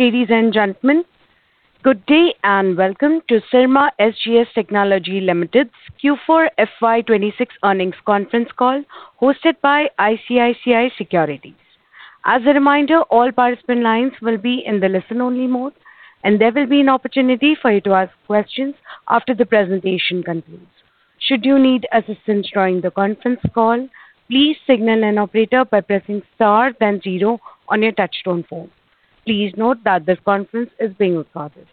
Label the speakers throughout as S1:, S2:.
S1: Ladies and gentlemen, good day and welcome to Syrma SGS Technology Limited's Q4 FY 2026 earnings conference call hosted by ICICI Securities. As a reminder, all participant lines will be in the listen-only mode, and there will be an opportunity for you to ask questions after the presentation concludes. Should you need assistance during the conference call, please signal an operator by pressing star then zero on your touchtone phone. Please note that this conference is being recorded.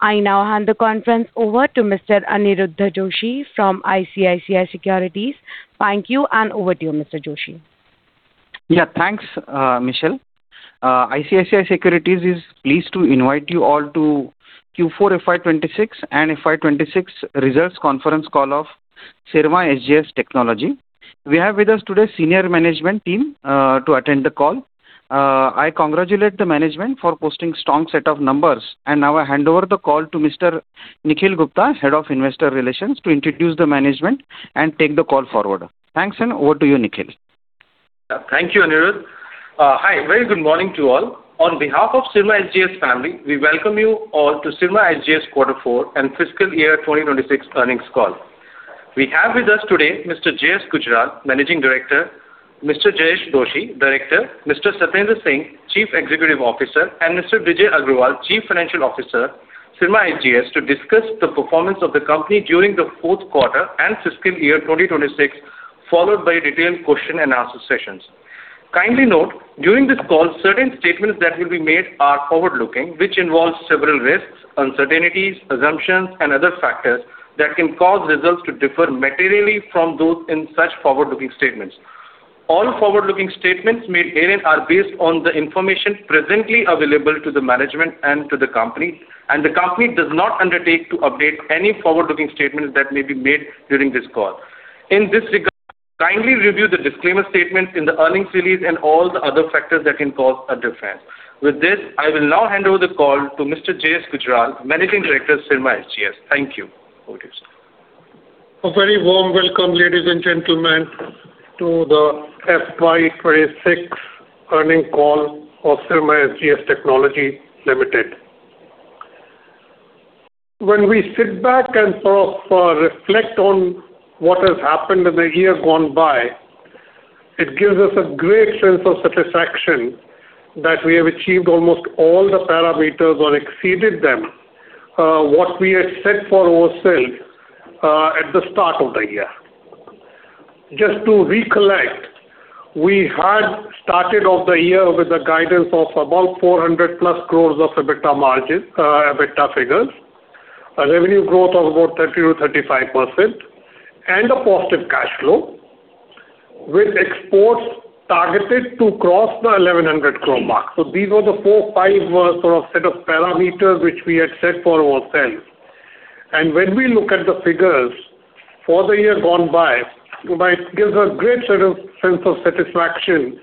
S1: I now hand the conference over to Mr. Aniruddha Joshi from ICICI Securities. Thank you, and over to you, Mr. Joshi.
S2: Yeah, thanks, Michelle. ICICI Securities is pleased to invite you all to Q4 FY 2026 and FY 2026 results conference call of Syrma SGS Technology. We have with us today senior management team to attend the call. Now I hand over the call to Mr. Nikhil Gupta, Head of Investor Relations, to introduce the management and take the call forward. Thanks, over to you, Nikhil.
S3: Yeah. Thank you, Aniruddha. Hi, very good morning to you all. On behalf of Syrma SGS family, we welcome you all to Syrma SGS quarter four and fiscal year 2026 earnings call. We have with us today Mr. J.S. Gujral, Managing Director, Mr. Jayesh Doshi, Director, Mr. Satendra Singh, Chief Executive Officer, and Mr. Bijay Agrawal, Chief Financial Officer, Syrma SGS, to discuss the performance of the company during the fourth quarter and fiscal year 2026, followed by detailed question and answer sessions. Kindly note, during this call, certain statements that will be made are forward-looking, which involves several risks, uncertainties, assumptions, and other factors that can cause results to differ materially from those in such forward-looking statements. All forward-looking statements made herein are based on the information presently available to the management and to the company, and the company does not undertake to update any forward-looking statements that may be made during this call. In this regard, kindly review the disclaimer statement in the earnings release and all the other factors that can cause a difference. With this, I will now hand over the call to Mr. J.S. Gujral, Managing Director, Syrma SGS. Thank you. Over to you, sir.
S4: A very warm welcome, ladies and gentlemen, to the FY 2026 earnings call of Syrma SGS Technology Limited. When we sit back and sort of reflect on what has happened in the year gone by, it gives us a great sense of satisfaction that we have achieved almost all the parameters or exceeded them, what we had set for ourselves at the start of the year. Just to recollect, we had started off the year with a guidance of about 400+ crore of EBITDA margins, EBITDA figures, a revenue growth of about 30%-35%, and a positive cash flow, with exports targeted to cross the 1,100 crore mark. These were the four, five sort of set of parameters which we had set for ourselves. When we look at the figures for the year gone by, gives a great sort of sense of satisfaction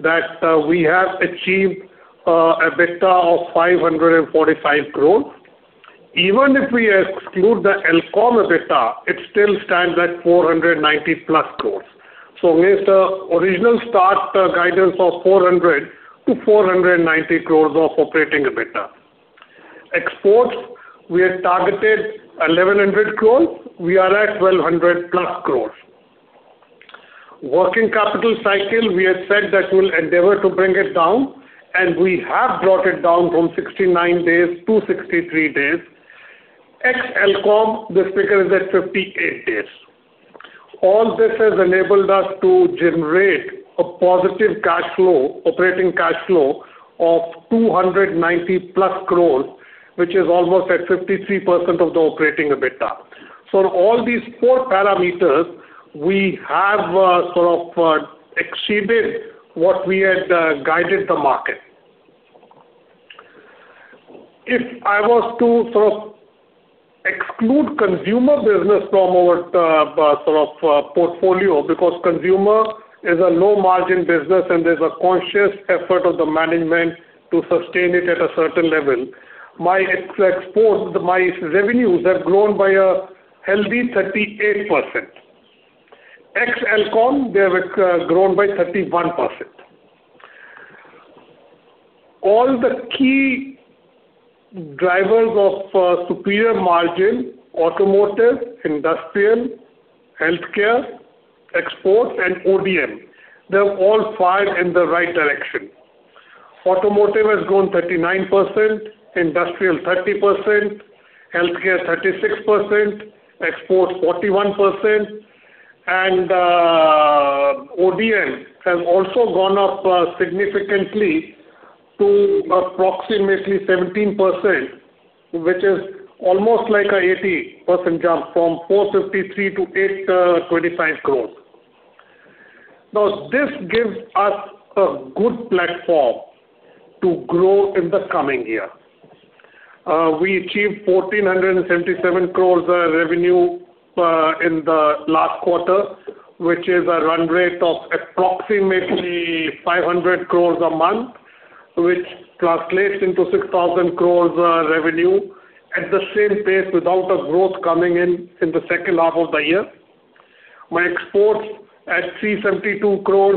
S4: that we have achieved EBITDA of 545 crore. Even if we exclude the Elcome EBITDA, it still stands at 490+ crore. Against the original start guidance of 400 crore-490 crore of operating EBITDA. Exports, we had targeted 1,100 crore. We are at 1,200+ crore. Working capital cycle, we had said that we'll endeavor to bring it down, we have brought it down from 69 days to 63 days. Ex Elcome, this figure is at 58 days. All this has enabled us to generate a positive cash flow, operating cash flow of 290+ crore, which is almost at 53% of the operating EBITDA. In all these four parameters, we have sort of exceeded what we had guided the market. If I was to sort of exclude consumer business from our portfolio, because consumer is a low-margin business and there's a conscious effort of the management to sustain it at a certain level, my revenues have grown by a healthy 38%. Ex Elcome, they have grown by 31%. All the key drivers of superior margin, automotive, industrial, healthcare, exports and ODM, they're all five in the right direction. Automotive has grown 39%, industrial 30%, healthcare 36%, exports 41%. ODM has also gone up significantly to approximately 17%, which is almost like a 80% jump from 453 to 825 crores. This gives us a good platform to grow in the coming year. We achieved 1,477 crore revenue in the last quarter, which is a run rate of approximately 500 crore a month, which translates into 6,000 crore revenue at the same pace without the growth coming in in the second half of the year. My exports at 372 crore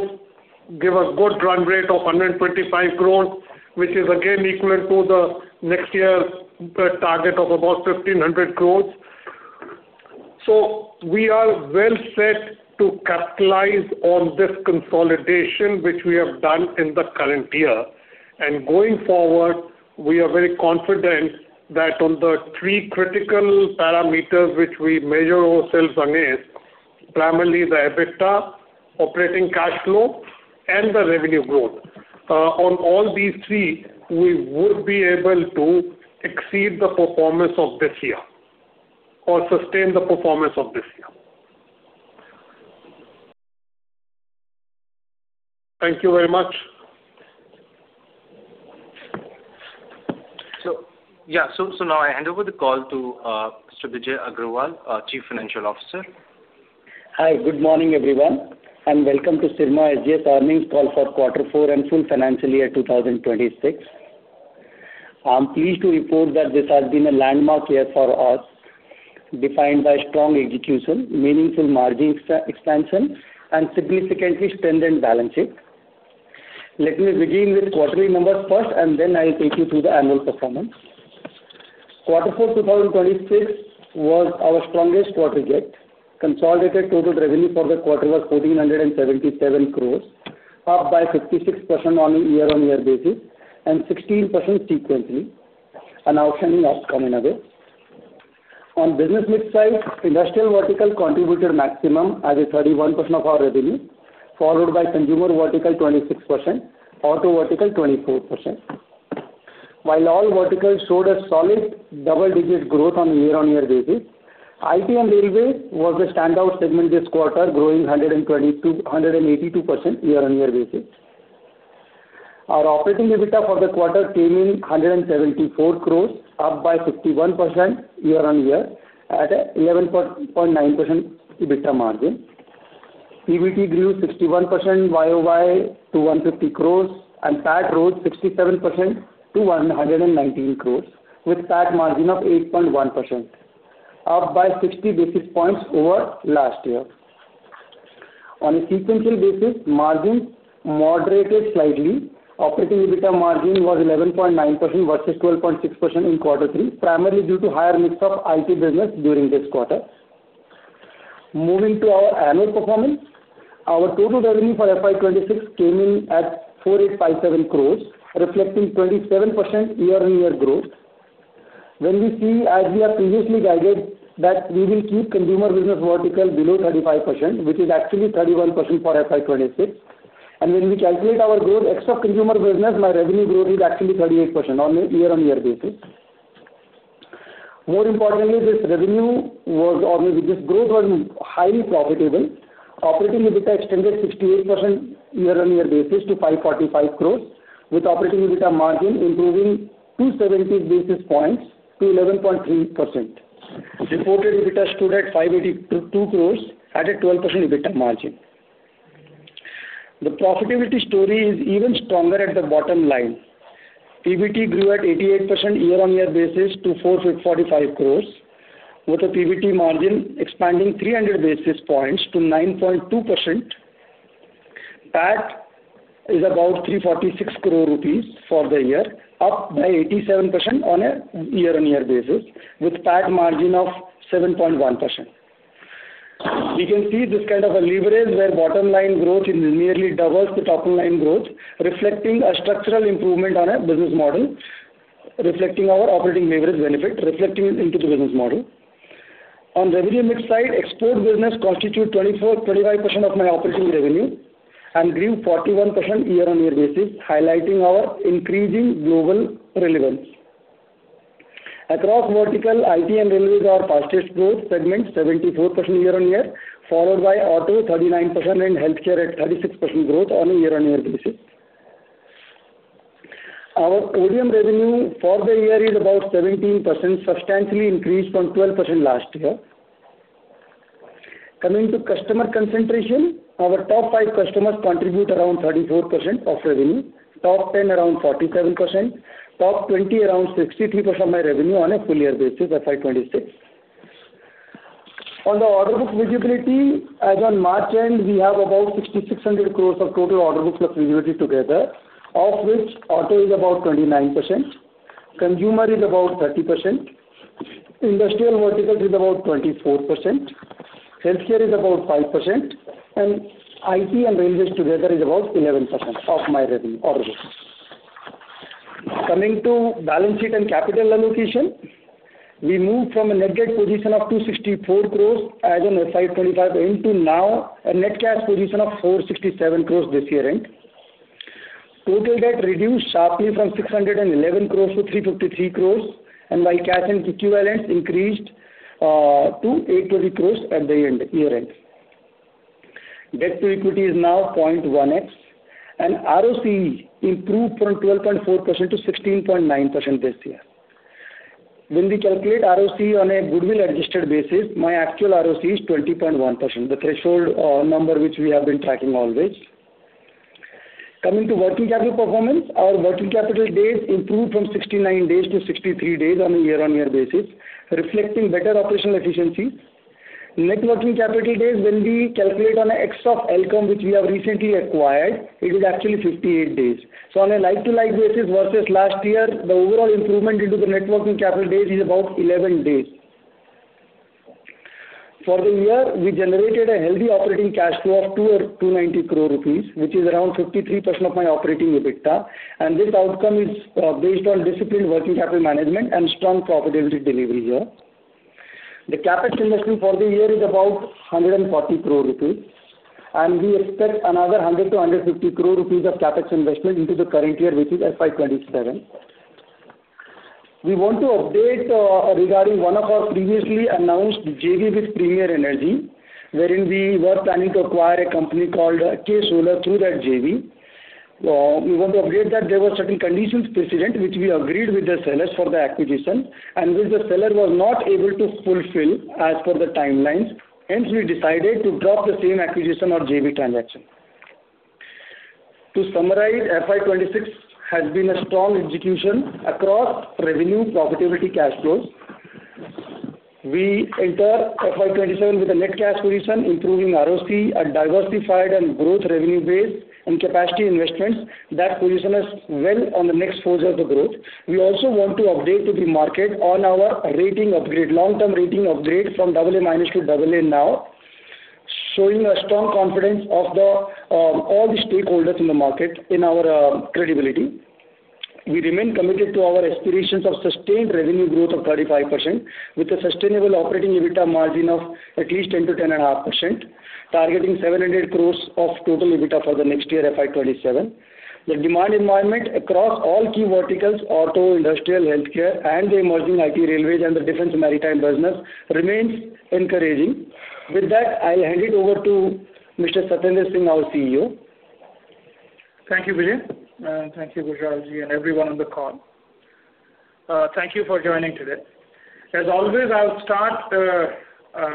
S4: give a good run rate of 125 crore, which is again equivalent to the next year's target of about 1,500 crore. So we are well set to capitalize on this consolidation which we have done in the current year. Going forward, we are very confident that on the three critical parameters which we measure ourselves against, primarily the EBITDA, operating cash flow, and the revenue growth. On all these three, we would be able to exceed the performance of this year or sustain the performance of this year. Thank you very much.
S3: Now I hand over the call to Mr. Bijay Agrawal, our Chief Financial Officer.
S5: Hi, good morning, everyone, welcome to Syrma SGS earnings call for quarter four and full financial year 2026. I'm pleased to report that this has been a landmark year for us, defined by strong execution, meaningful margin expansion, and significantly strengthened balance sheet. Let me begin with quarterly numbers first, then I'll take you through the annual performance. Quarter four 2026 was our strongest quarter yet. Consolidated total revenue for the quarter was 1,477 crores, up by 56% on a year-on-year basis and 16% sequentially. On business mix side, industrial vertical contributed maximum as a 31% of our revenue, followed by consumer vertical 26%, auto vertical 24%. While all verticals showed a solid double-digit growth on a year-on-year basis, IT and Railway was the standout segment this quarter, growing 122%-182% year-on-year basis. Our operating EBITDA for the quarter came in 174 crores, up by 51% year-on-year at a 11.9% EBITDA margin. PBT grew 61% YoY to 150 crores. PAT rose 67% to 119 crores, with PAT margin of 8.1%, up by 60 basis points over last year. On a sequential basis, margins moderated slightly. Operating EBITDA margin was 11.9% versus 12.6% in quarter three, primarily due to higher mix of IT business during this quarter. Moving to our annual performance, our total revenue for FY 2026 came in at 4,857 crores, reflecting 27% year-on-year growth. We see, as we have previously guided, that we will keep consumer business vertical below 35%, which is actually 31% for FY 2026. When we calculate our growth ex of consumer business, my revenue growth is actually 38% on a year-on-year basis. More importantly, this revenue or this growth was highly profitable. Operating EBITDA extended 68% year-on-year basis to 545 crores, with operating EBITDA margin improving 270 basis points to 11.3%. Reported EBITDA stood at 582 crores at a 12% EBITDA margin. The profitability story is even stronger at the bottom line. PBT grew at 88% year-on-year basis to 46.45 crores, with a PBT margin expanding 300 basis points to 9.2%. PAT is about 34.6 crores rupees for the year, up by 87% on a year-on-year basis with PAT margin of 7.1%. We can see this kind of a leverage where bottom line growth nearly doubles the top line growth, reflecting a structural improvement on a business model, reflecting our operating leverage benefit, reflecting it into the business model. On revenue mix side, export business constitute 24%-25% of my operating revenue and grew 41% year-on-year basis, highlighting our increasing global relevance. Across vertical, IT and Railway are fastest growth segments, 74% year-on-year, followed by Auto, 39% and Healthcare at 36% growth on a year-on-year basis. Our ODM revenue for the year is about 17%, substantially increased from 12% last year. Coming to customer concentration, our top five customers contribute around 34% of revenue, top 10 around 47%, top 20 around 63% my revenue on a full year basis at FY 2026. On the order book visibility, as on March end, we have about 6,600 crores of total order books visibility together, of which Auto is about 29%, Consumer is about 30%, Industrial vertical is about 24%, Healthcare is about 5%, and IT and Railways together is about 11% of my revenue order books. Coming to balance sheet and capital allocation, we moved from a net debt position of 264 crores as on FY 2025 into now a net cash position of 467 crores this year end. Total debt reduced sharply from 611 crores to 353 crores, and my cash and equivalents increased to 820 crores at the year-end. Debt to equity is now 0.1x, and ROCE improved from 12.4%-16.9% this year. When we calculate ROCE on a goodwill-adjusted basis, my actual ROCE is 20.1%, the threshold number which we have been tracking always. Coming to working capital performance, our working capital days improved from 69 days to 63 days on a year-on-year basis, reflecting better operational efficiency. Net working capital days when we calculate on ex of Elcome, which we have recently acquired, it is actually 58 days. On a like-to-like basis versus last year, the overall improvement into the net working capital days is about 11 days. For the year, we generated a healthy operating cash flow of 290 crore rupees, which is around 53% of my operating EBITDA. This outcome is based on disciplined working capital management and strong profitability delivery here. The CapEx investment for the year is about 140 crore rupees. We expect another 100 crore-150 crore rupees of CapEx investment into the current year, which is FY 2027. We want to update regarding one of our previously announced JV with Premier Energies, wherein we were planning to acquire a company called KSolare Energy through that JV. We want to update that there were certain conditions precedent which we agreed with the sellers for the acquisition and which the seller was not able to fulfill as per the timelines, hence we decided to drop the same acquisition or JV transaction. To summarize, FY 2026 has been a strong execution across revenue profitability cash flows. We enter FY 2027 with a net cash position, improving ROCE, a diversified and growth revenue base and capacity investments that position us well on the next phase of the growth. We also want to update to the market on our rating upgrade, long-term rating upgrade from AA- to AA now, showing a strong confidence of the all the stakeholders in the market in our credibility. We remain committed to our aspirations of sustained revenue growth of 35% with a sustainable operating EBITDA margin of at least 10%-10.5%, targeting 700 crores of total EBITDA for the next year, FY 2027. The demand environment across all key verticals, auto, industrial, healthcare and the emerging IT railways and the defense maritime business remains encouraging. With that, I'll hand it over to Mr. Satendra Singh, our CEO.
S6: Thank you, Bijay. Thank you, Gujral ji, and everyone on the call. Thank you for joining today. As always, I'll start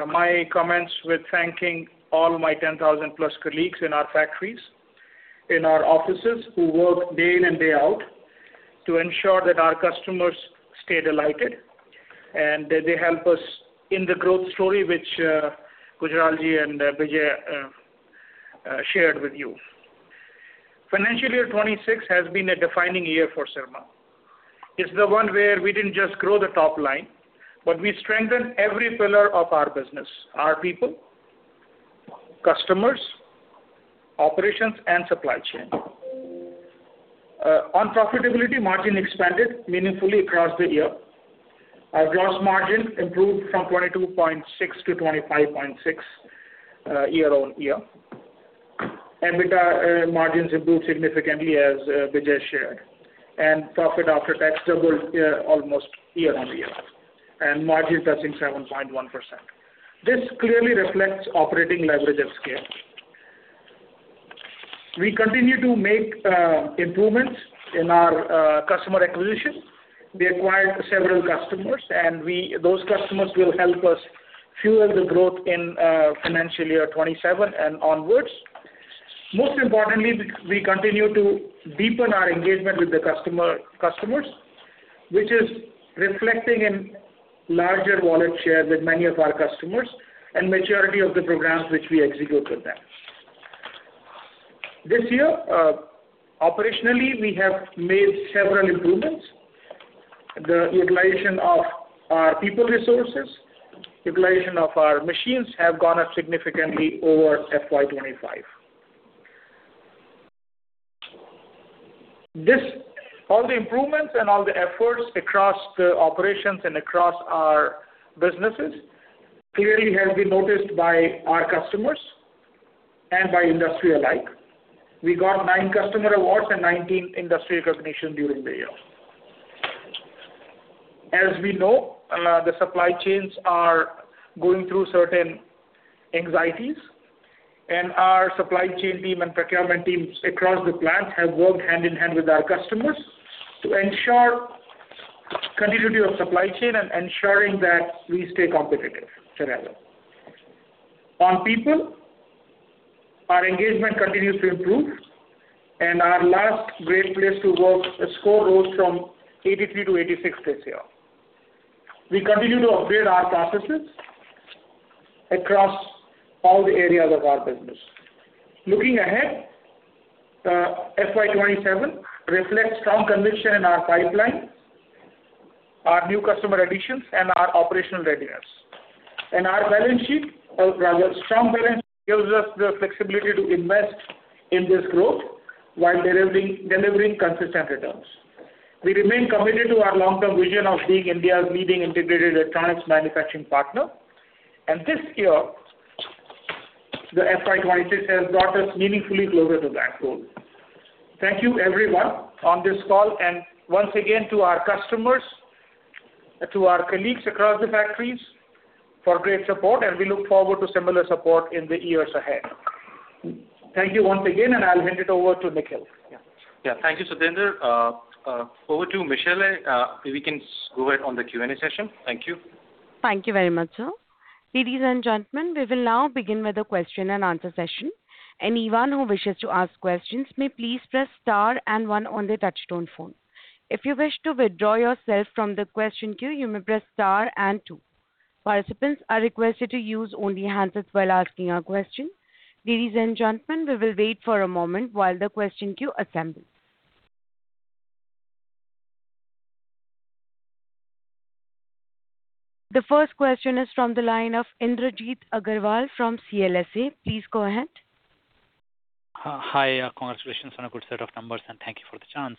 S6: my comments with thanking all my 10,000+ colleagues in our factories, in our offices, who workday in and day out to ensure that our customers stay delighted, and they help us in the growth story which Gujral ji and Bijay shared with you. Financial year 2026 has been a defining year for Syrma. It's the one where we didn't just grow the top line, but we strengthened every pillar of our business, our people, customers, operations, and supply chain. On profitability, margin expanded meaningfully across the year. Our gross margin improved from 22.6%-25.6% year-on-year. EBITDA margins improved significantly as Bijay shared, and profit after tax doubled almost year-on-year, and margin touching 7.1%. This clearly reflects operating leverage and scale. We continue to make improvements in our customer acquisition. We acquired several customers, and those customers will help us fuel the growth in financial year 2027 and onwards. Most importantly, we continue to deepen our engagement with the customers, which is reflecting in larger wallet share with many of our customers and majority of the programs which we execute with them. This year, operationally, we have made several improvements. The utilization of our people resources, utilization of our machines have gone up significantly over FY 2025. All the improvements and all the efforts across the operations and across our businesses clearly has been noticed by our customers and by industry alike. We got nine customer awards and 19 industry recognition during the year. As we know, the supply chains are going through certain anxieties, our supply chain team and procurement teams across the plant have worked hand in hand with our customers to ensure continuity of supply chain and ensuring that we stay competitive together. On people, our engagement continues to improve, our last Great Place to Work score rose from 83 to 86 this year. We continue to upgrade our processes across all the areas of our business. Looking ahead, FY 2027 reflects strong conviction in our pipeline, our new customer additions and our operational readiness. Our balance sheet, or rather strong balance gives us the flexibility to invest in this growth while delivering consistent returns. We remain committed to our long-term vision of being India's leading integrated electronics manufacturing partner. This year, the FY 2026 has brought us meaningfully closer to that goal. Thank you everyone on this call, and once again to our customers, to our colleagues across the factories for great support, and we look forward to similar support in the years ahead. Thank you once again, and I'll hand it over to Nikhil.
S3: Thank you, Satendra. Over to Michele. We can go ahead on the Q&A session. Thank you.
S1: Thank you very much, sir. Ladies and gentlemen, we will now begin with the question and answer session. Anyone who wishes to ask questions may please press star and one on their touchtone phone. If you wish to withdraw yourself from the question queue, you may press star and two. Participants are requested to use only hands-off while asking a question. Ladies and gentlemen, we will wait for a moment while the question queue assembles. The first question is from the line of Indrajit Agarwal from CLSA. Please go ahead.
S7: Hi. Congratulations on a good set of numbers, and thank you for the chance.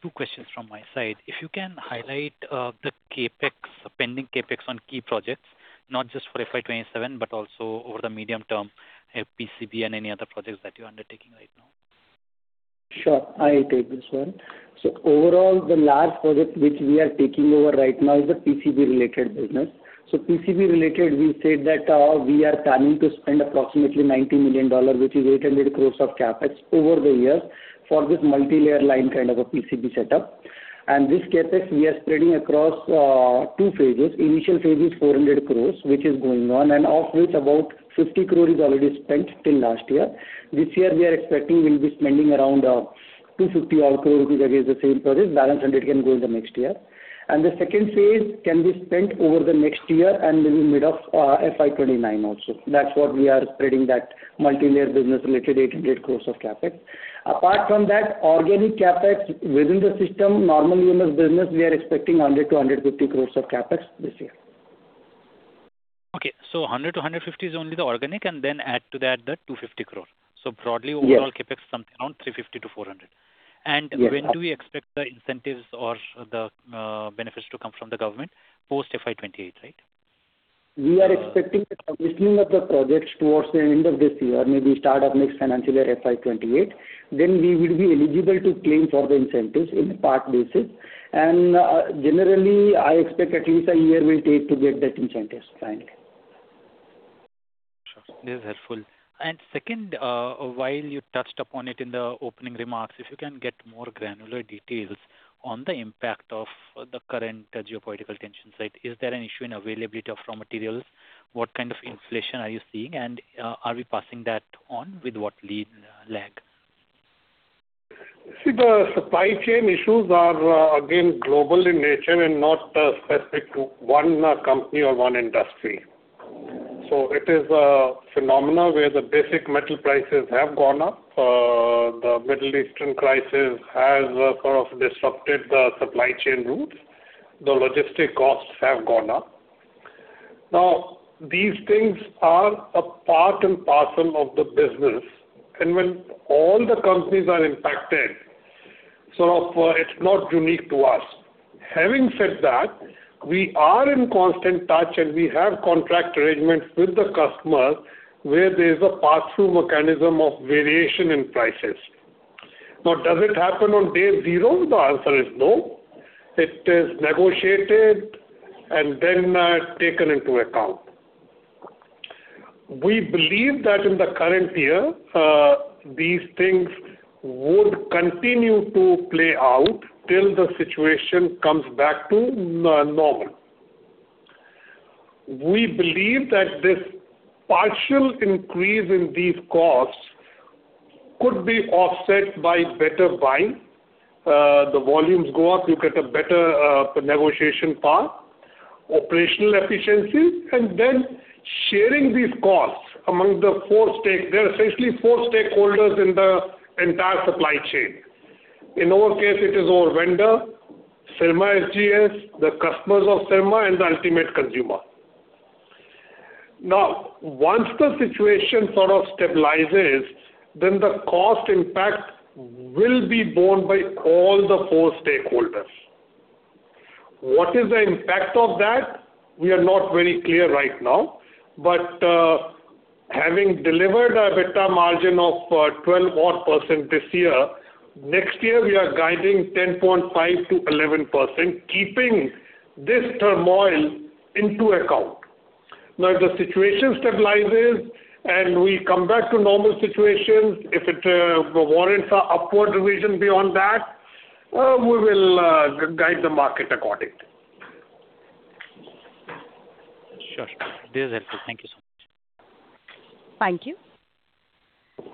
S7: Two questions from my side. If you can highlight the CapEx, pending CapEx on key projects, not just for FY 2027, but also over the medium term, PCB and any other projects that you're undertaking right now?
S5: Sure. I take this one. Overall, the large project which we are taking over right now is the PCB related business. PCB related, we said that, we are planning to spend approximately $90 million, which is 800 crores of CapEx over the years for this multilayer line kind of a PCB setup. This CapEx we are spreading across two phases. Initial phase is 400 crores, which is going on, and of which about 50 crore is already spent till last year. This year we are expecting we'll be spending around 250 odd crore, which is again the same project. Balance 100 can go in the next year. The second phase can be spent over the next year and maybe mid of FY 2029 also. That's what we are spreading that multilayer business related 800 crores of CapEx. Apart from that, organic CapEx within the system, normal EMS business, we are expecting 100 crore-150 crore of CapEx this year.
S7: Okay. 100 crore-150 crore is only the organic and then add to that the 250 crore.
S5: Yes.
S7: broadly overall CapEx something around 350 crore-400 crore.
S5: Yes.
S7: When do we expect the incentives or the benefits to come from the government? Post FY 2028, right?
S5: We are expecting the commissioning of the projects towards the end of this year, maybe start of next financial year, FY 2028. We will be eligible to claim for the incentives in a part basis. Generally, I expect at least a year will take to get that incentives finally.
S7: Sure. This is helpful. Second, while you touched upon it in the opening remarks, if you can get more granular details on the impact of the current geopolitical tension situation. Is there an issue in availability of raw materials? What kind of inflation are you seeing? Are we passing that on? With what lead lag?
S4: See, the supply chain issues are again, global in nature and not specific to one company or one industry. It is a phenomena where the basic metal prices have gone up. The Middle Eastern crisis has sort of disrupted the supply chain routes. The logistic costs have gone up. These things are a part and parcel of the business, and when all the companies are impacted, sort of, it's not unique to us. Having said that, we are in constant touch, and we have contract arrangements with the customer where there's a pass-through mechanism of variation in prices. Does it happen on day zero? The answer is no. It is negotiated and then taken into account. We believe that in the current year, these things would continue to play out till the situation comes back to normal. We believe that this partial increase in these costs could be offset by better buying. The volumes go up, you get a better negotiation power, operational efficiencies, and then sharing these costs among the four stakeholders. There are essentially four stakeholders in the entire supply chain. In our case, it is our vendor, Syrma SGS, the customers of Syrma, and the ultimate consumer. Now, once the situation sort of stabilizes, then the cost impact will be borne by all the four stakeholders. What is the impact of that? We are not very clear right now. Having delivered a better margin of, 12 odd percent this year, next year we are guiding 10.5%-11%, keeping this turmoil into account. If the situation stabilizes and we come back to normal situations, if it warrants an upward revision beyond that, we will guide the market accordingly.
S7: Sure, sure. This is helpful. Thank you so much.
S1: Thank you.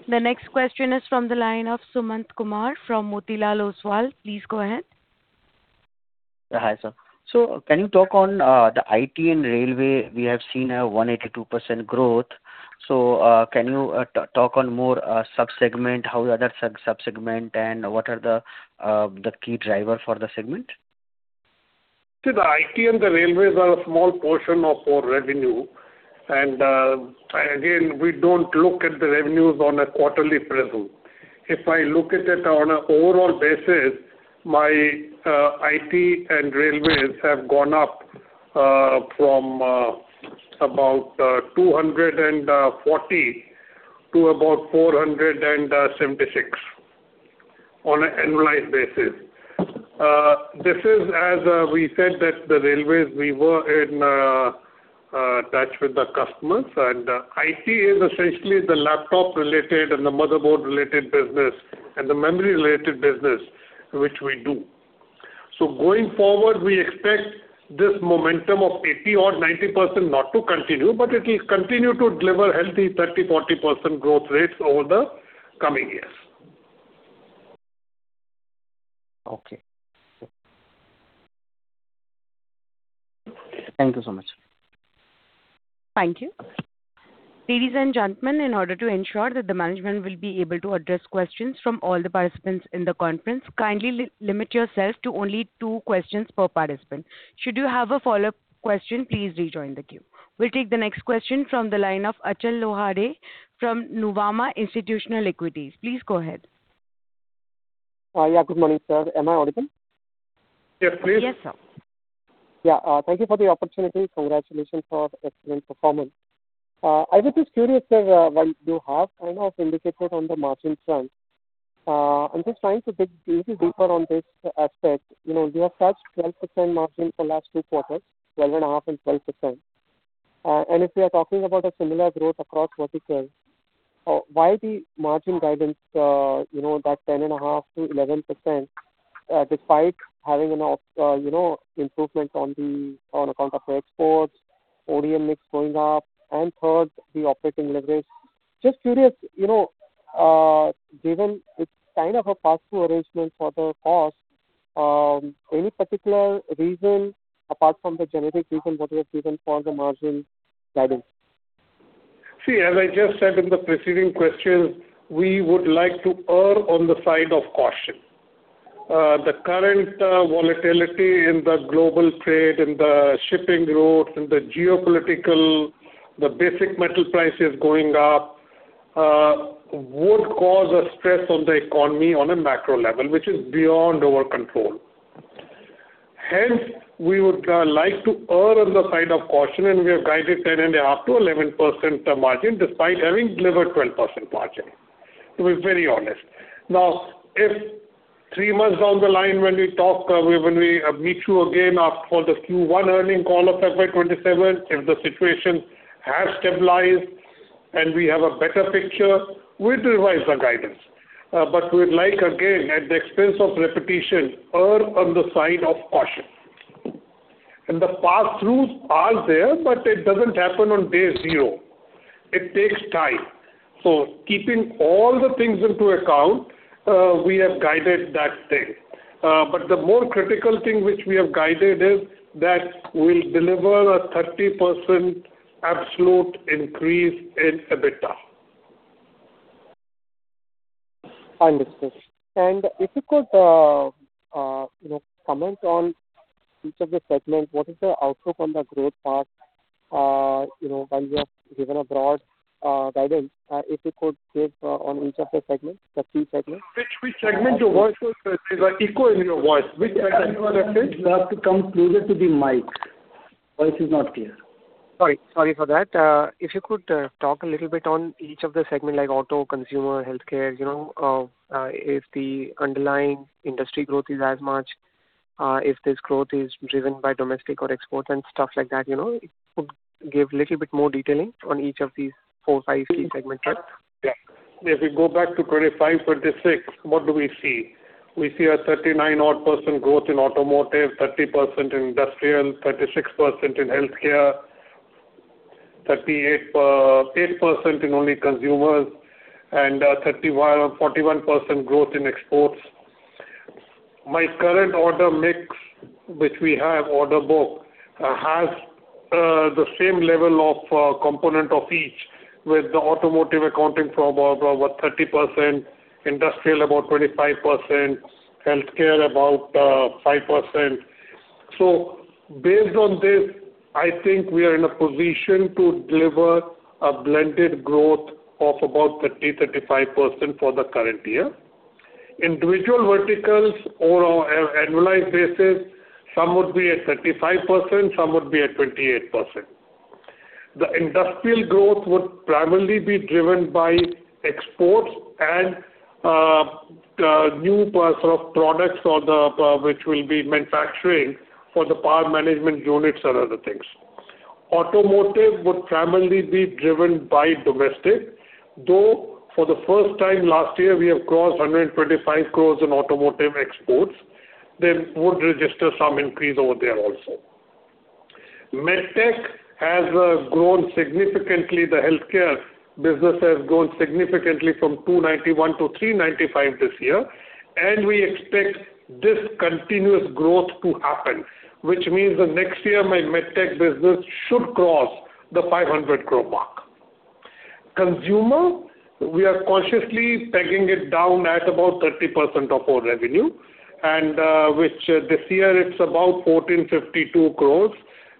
S1: The next question is from the line of Sumant Kumar from Motilal Oswal. Please go ahead.
S8: Hi, sir. Can you talk on the IT and railway? We have seen a 182% growth. Can you talk on more sub-segment, how the other sub-segment, and what are the key driver for the segment?
S4: See, the IT and the railways are a small portion of our revenue. Again, we don't look at the revenues on a quarterly prism. If I look at it on an overall basis, my IT and railways have gone up from about 240 crore to about 476 crore on an annualized basis. This is as we said that the railways we were in touch with the customers. IT is essentially the laptop related and the motherboard related business and the memory related business which we do. So going forward, we expect this momentum of 80% or 90% not to continue, but it will continue to deliver healthy 30%, 40% growth rates over the coming years.
S8: Okay. Thank you so much.
S1: Thank you. Ladies and gentlemen, in order to ensure that the management will be able to address questions from all the participants in the conference, kindly limit yourself to only two questions per participant. Should you have a follow-up question, please rejoin the queue. We'll take the next question from the line of Achal Lohade from Nuvama Institutional Equities. Please go ahead.
S9: Good morning, sir. Am I audible?
S4: Yes, please.
S1: Yes, sir.
S9: Yeah. Thank you for the opportunity. Congratulations for excellent performance. I was just curious, sir, while you have kind of indicated on the margin front, I'm just trying to dig a little deeper on this aspect. You know, you have touched 12% margin for last two quarters, 12.5% and 12%. If we are talking about a similar growth across verticals, why the margin guidance, you know, that 10.5%-11%, despite having enough, you know, improvement on the on account of the exports, ODM mix going up, and third, the operating leverage. Just curious, you know, given it's kind of a pass-through arrangement for the cost, any particular reason apart from the generic reason what you have given for the margin guidance?
S4: See, as I just said in the preceding question, we would like to err on the side of caution. The current volatility in the global trade, in the shipping routes, in the geopolitical, the basic metal prices going up, would cause a stress on the economy on a macro level, which is beyond our control. Hence, we would like to err on the side of caution, and we have guided 10.5%-11% margin despite having delivered 12% margin, to be very honest. Now, if three months down the line when we talk, when we meet you again after for the Q1 earning call of FY 2027, if the situation has stabilized and we have a better picture, we'll revise our guidance. We'd like, again, at the expense of repetition, err on the side of caution. The pass-throughs are there, but it doesn't happen on day zero. It takes time. Keeping all the things into account, we have guided that thing. The more critical thing which we have guided is that we'll deliver a 30% absolute increase in EBITDA.
S9: I understand. If you could, you know, comment on each of the segment, what is the outlook on the growth path, you know, while you have given a broad guidance, if you could give on each of the segments, the key segments.
S4: Which segment? Your voice is echo in your voice. Which segment did you say?
S5: You have to come closer to the mic. Voice is not clear.
S9: Sorry. Sorry for that. If you could talk a little bit on each of the segment like auto, consumer, healthcare, you know, if the underlying industry growth is as much, if this growth is driven by domestic or exports and stuff like that, you know. If you could give little bit more detailing on each of these four, five key segments.
S4: If we go back to 2025, 2026, what do we see? We see a 39% odd growth in automotive, 30% in industrial, 36% in healthcare, 38% in only consumers and 31% or 41% growth in exports. My current order mix, which we have order book, has the same level of component of each, with the automotive accounting for about 30%, industrial about 25%, healthcare about 5%. Based on this, I think we are in a position to deliver a blended growth of about 30%-35% for the current year. Individual verticals on an annualized basis, some would be at 35%, some would be at 28%. The industrial growth would primarily be driven by exports and new sort of products on the which we'll be manufacturing for the power management units and other things. Automotive would primarily be driven by domestic, though for the first time last year, we have crossed 125 crores in automotive exports, would register some increase over there also. Med tech has grown significantly. The healthcare business has grown significantly from 291 crore to 395 crore this year. We expect this continuous growth to happen, which means that next year my med tech business should cross the 500 crore mark. Consumer, we are consciously pegging it down at about 30% of our revenue, which this year it's about 1,452 crores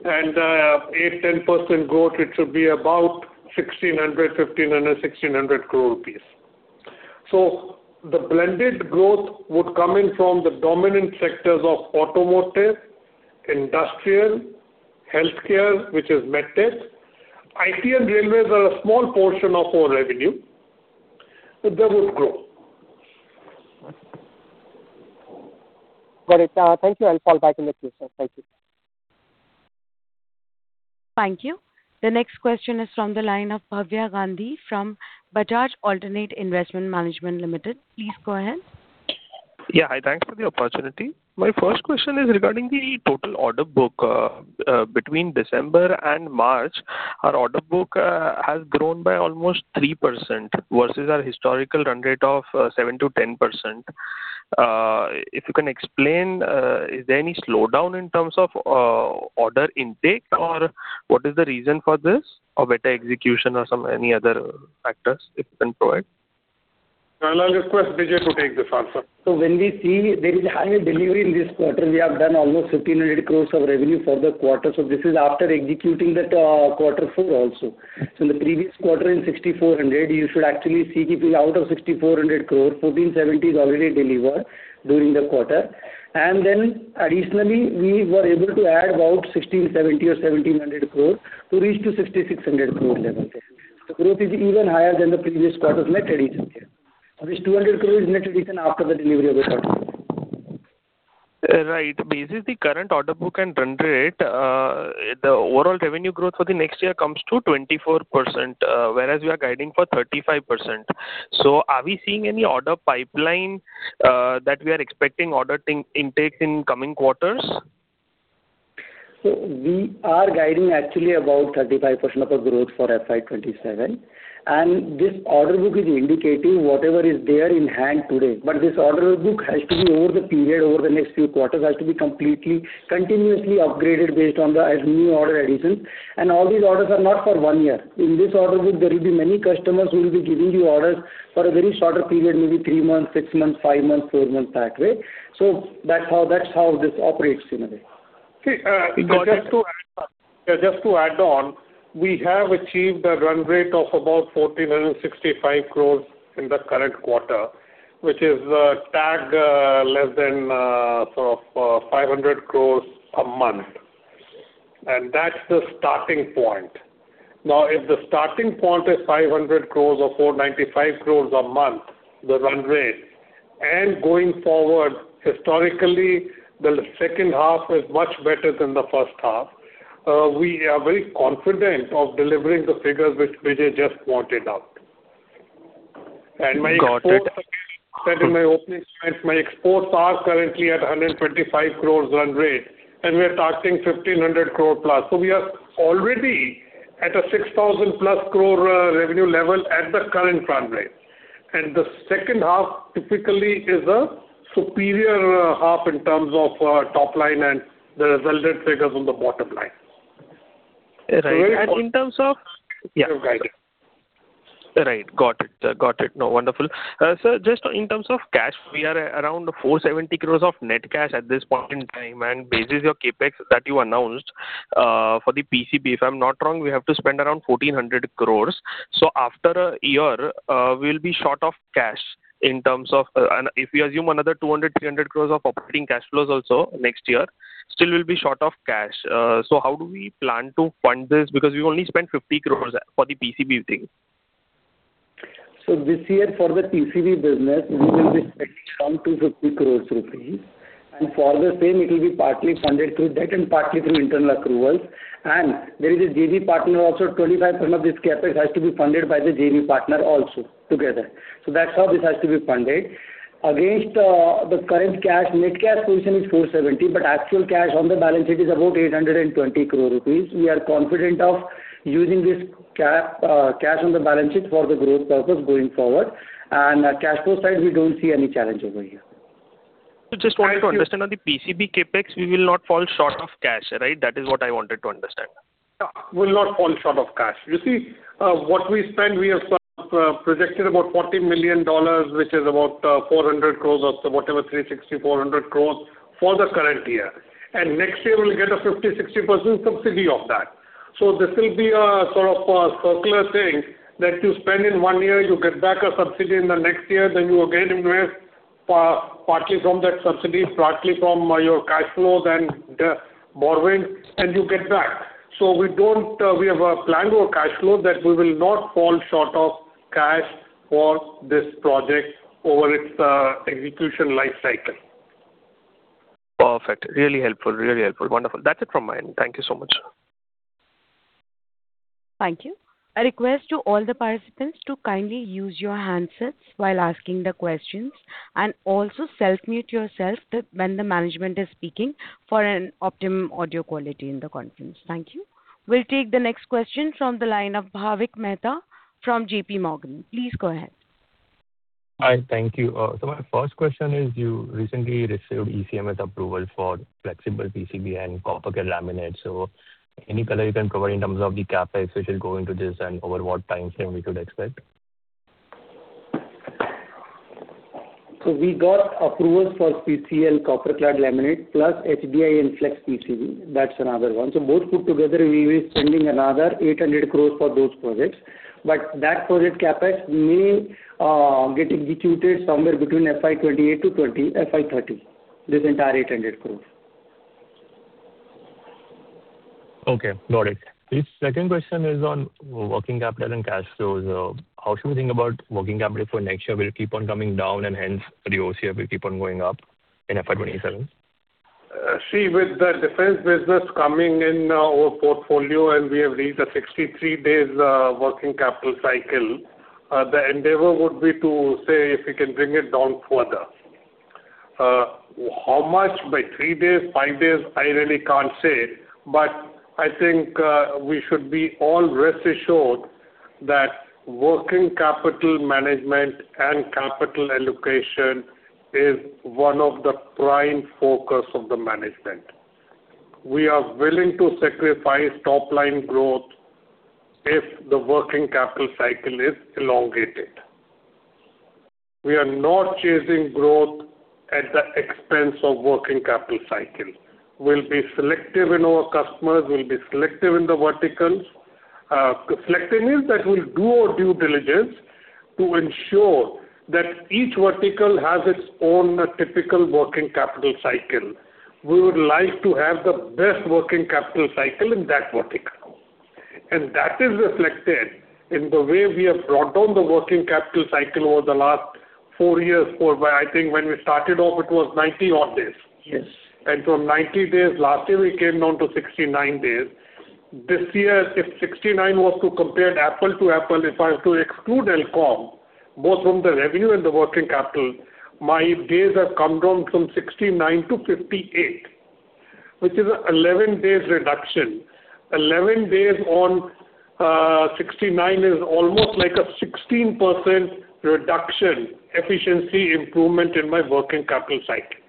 S4: and 8%-10% growth, it should be about 1,500 crore-1,600 crore rupees. The blended growth would come in from the dominant sectors of automotive, industrial, healthcare, which is medtech. IT and railways are a small portion of our revenue. They would grow.
S9: Got it. Thank you. I'll fall back in the queue, sir. Thank you.
S1: Thank you. The next question is from the line of Bhavya Gandhi from Bajaj Alternate Investment Management Limited. Please go ahead.
S10: Yeah, hi. Thanks for the opportunity. My first question is regarding the total order book. Between December and March, our order book has grown by almost 3% versus our historical run rate of 7%-10%. If you can explain, is there any slowdown in terms of order intake or what is the reason for this? Or better execution or any other factors if you can provide?
S4: I'll request Bijay Agrawal to take this answer.
S5: When we see there is a higher delivery in this quarter, we have done almost 1,500 crores of revenue for the quarter. This is after executing that, quarter four also. In the previous quarter in 6,400 crore, you should actually see keeping out of 6,400 crore, 1,470 crore is already delivered during the quarter. Additionally, we were able to add about 1,670 crore or 1,700 crore to reach to 6,600 crore level. The growth is even higher than the previous quarter's net addition here. This 200 crore is net addition after the delivery of the quarter.
S10: Right. Basis the current order book and run rate, the overall revenue growth for the next year comes to 24%, whereas we are guiding for 35%. Are we seeing any order pipeline, that we are expecting order intake in coming quarters?
S5: We are guiding actually about 35% of the growth for FY 2027. This order book is indicating whatever is there in hand today. This order book has to be over the period, over the next few quarters, has to be completely continuously upgraded based on as new order additions. All these orders are not for one year. In this order book, there will be many customers who will be giving you orders for a very shorter period, maybe three months, six months, five months, four months that way. That's how this operates anyway.
S4: See, just to add, just to add on, we have achieved a run rate of about 1,465 crores in the current quarter, which is tag less than sort of 500 crores a month. That's the starting point. If the starting point is 500 crores or 495 crores a month, the run rate, going forward, historically, the second half is much better than the first half. We are very confident of delivering the figures which Bijay just pointed out.
S10: Got it.
S4: My exports, said in my opening remarks, my exports are currently at a 125 crore run rate, and we are targeting 1,500+ crore. We are already at a 6,000+ crore revenue level at the current run rate. The second half typically is a superior half in terms of top line and the resultant figures on the bottom line.
S10: Right.
S4: Your guidance.
S10: Right. Got it. Got it. No, wonderful. Sir, just in terms of cash, we are around 470 crores of net cash at this point in time. Basis your CapEx that you announced, for the PCB, if I'm not wrong, we have to spend around 1,400 crores. After a year, we'll be short of cash in terms of, and if we assume another 200 crores-300 crores of operating cash flows also next year, still we'll be short of cash. How do we plan to fund this? We only spent 50 crores for the PCB thing.
S5: This year for the PCB business, we will be spending around 250 crore rupees. For the same, it will be partly funded through debt and partly through internal accruals. There is a JV partner also, 25% of this CapEx has to be funded by the JV partner also together. That's how this has to be funded. Against the current cash, net cash position is 470 crore, but actual cash on the balance sheet is about 820 crore rupees. We are confident of using this cash on the balance sheet for the growth purpose going forward. Cash flow side, we don't see any challenge over here.
S10: Just wanted to understand on the PCB CapEx, we will not fall short of cash, right? That is what I wanted to understand.
S4: Yeah. We'll not fall short of cash. You see, what we spend, we have projected about $40 million, which is about 400 crores or so, whatever, 360 crores-400 crores for the current year. Next year we'll get a 50%-60% subsidy of that. This will be a sort of a circular thing that you spend in one year, you get back a subsidy in the next year, then you again invest partly from that subsidy, partly from your cash flows and borrowings, and you get back. We don't, we have planned our cash flow that we will not fall short of cash for this project over its execution life cycle.
S10: Perfect. Really helpful. Really helpful. Wonderful. That's it from my end. Thank you so much.
S1: Thank you. A request to all the participants to kindly use your handsets while asking the questions and also self-mute yourself when the management is speaking for an optimum audio quality in the conference. Thank you. We will take the next question from the line of Bhavik Mehta from JPMorgan. Please go ahead.
S11: Hi. Thank you. My first question is you recently received ECMS approval for flexible PCB and copper clad laminate. Any color you can provide in terms of the CapEx which will go into this and over what time frame we could expect?
S5: We got approvals for CCL, copper clad laminate, plus HDI and flex PCB. That's another one. Both put together, we'll be spending another 800 crores for those projects. That project CapEx may get executed somewhere between FY 2028 to FY 2030, this entire INR 800 crores.
S11: Okay, got it. The second question is on working capital and cash flows. How should we think about working capital for next year? Will it keep on coming down and hence the OCR will keep on going up? In FY 2027?
S4: See, with the defense business coming in our portfolio and we have reached a 63 days working capital cycle, the endeavor would be to say if we can bring it down further. How much? By three days, five days, I really can't say, but I think, we should be all rest assured that working capital management and capital allocation is one of the prime focus of the management. We are willing to sacrifice top-line growth if the working capital cycle is elongated. We are not chasing growth at the expense of working capital cycle. We'll be selective in our customers, we'll be selective in the verticals. Selective means that we'll do our due diligence to ensure that each vertical has its own typical working capital cycle. We would like to have the best working capital cycle in that vertical. That is reflected in the way we have brought down the working capital cycle over the last four years, whereby I think when we started off, it was 90 odd days.
S11: Yes.
S4: From 90 days, last year we came down to 69 days. This year, if 69 was to compare apple to apple, if I was to exclude Elcome, both from the revenue and the working capital, my days have come down from 69 to 58, which is 11 days reduction. 11 days on 69 is almost like a 16% reduction efficiency improvement in my working capital cycle.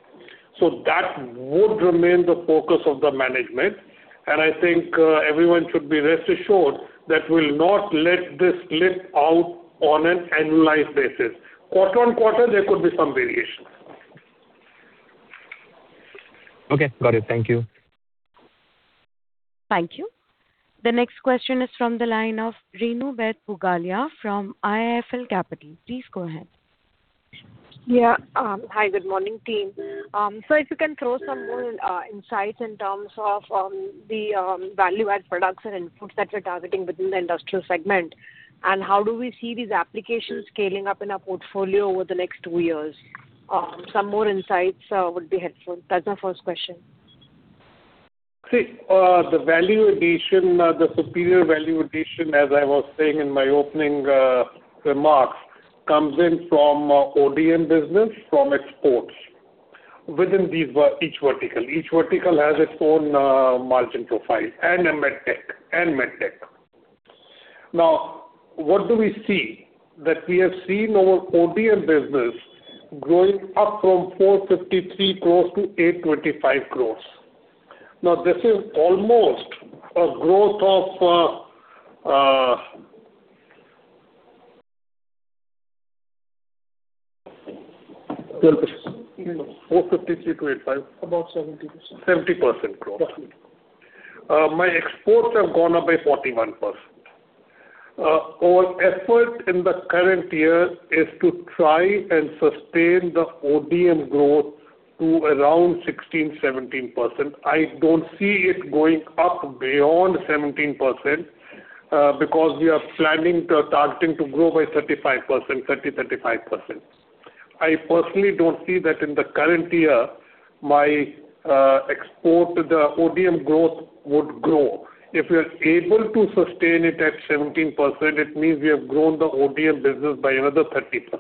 S4: That would remain the focus of the management, and I think everyone should be rest assured that we'll not let this slip out on an annualized basis. Quarter-on-quarter, there could be some variations.
S11: Okay, got it. Thank you.
S1: Thank you. The next question is from the line of Renu Baid Pugalia from IIFL Capital. Please go ahead.
S12: Hi, good morning team. If you can throw some more insights in terms of the value-add products and inputs that you're targeting within the industrial segment, and how do we see these applications scaling up in our portfolio over the next two years? Some more insights would be helpful. That's my first question.
S4: See, the value addition, the superior value addition, as I was saying in my opening remarks, comes in from ODM business from exports within each vertical. Each vertical has its own margin profile and a MedTech. What do we see? That we have seen our ODM business growing up from 453 crores-825 crores. This is almost a growth of 12%.
S5: No. About 70%.
S4: 70% growth.
S5: Exactly.
S4: My exports have gone up by 41%. Our effort in the current year is to try and sustain the ODM growth to around 16%, 17%. I don't see it going up beyond 17% because we are planning, targeting to grow by 35%. I personally don't see that in the current year, my export, the ODM growth would grow. If we are able to sustain it at 17%, it means we have grown the ODM business by another 30%.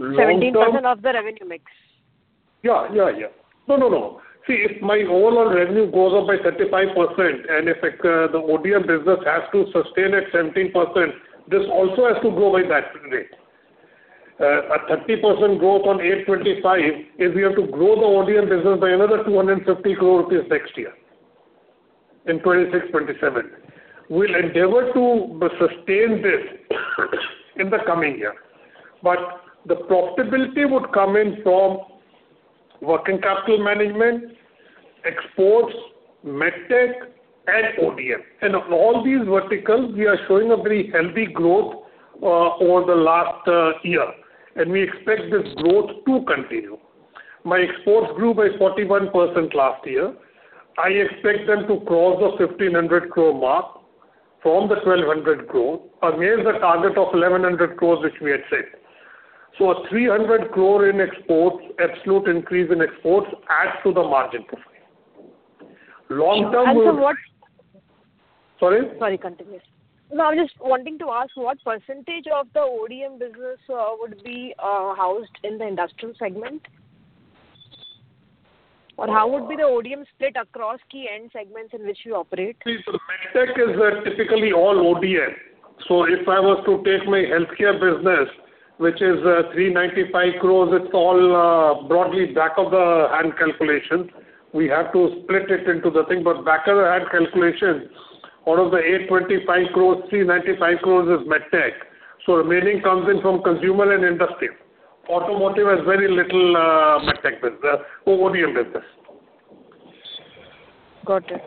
S12: 17% of the revenue mix?
S4: Yeah, yeah. No, no. See, if my overall revenue goes up by 35%, if the ODM business has to sustain at 17%, this also has to grow by that rate. A 30% growth on 825 crores is we have to grow the ODM business by another 250 crore rupees next year in 2026, 2027. We will endeavor to sustain this in the coming year. The profitability would come in from working capital management, exports, med tech and ODM. Of all these verticals, we are showing a very healthy growth over the last year, and we expect this growth to continue. My exports grew by 41% last year. I expect them to cross the 1,500 crore mark from the 1,200 crore, against the target of 1,100 crore, which we had said. A 300 crore in exports, absolute increase in exports adds to the margin profile.
S12: And from what-
S4: Sorry?
S12: Sorry, continue. No, I was just wanting to ask what percentage of the ODM business would be housed in the industrial segment? How would be the ODM split across key end segments in which you operate?
S4: See, medtech is typically all ODM. If I was to take my healthcare business, which is 395 crores, it's all broadly back of the hand calculation. We have to split it into the thing. Back of the hand calculation, out of the 825 crores, 395 crores is med tech, remaining comes in from consumer and industrial. Automotive has very little med tech business or ODM business.
S12: Got it.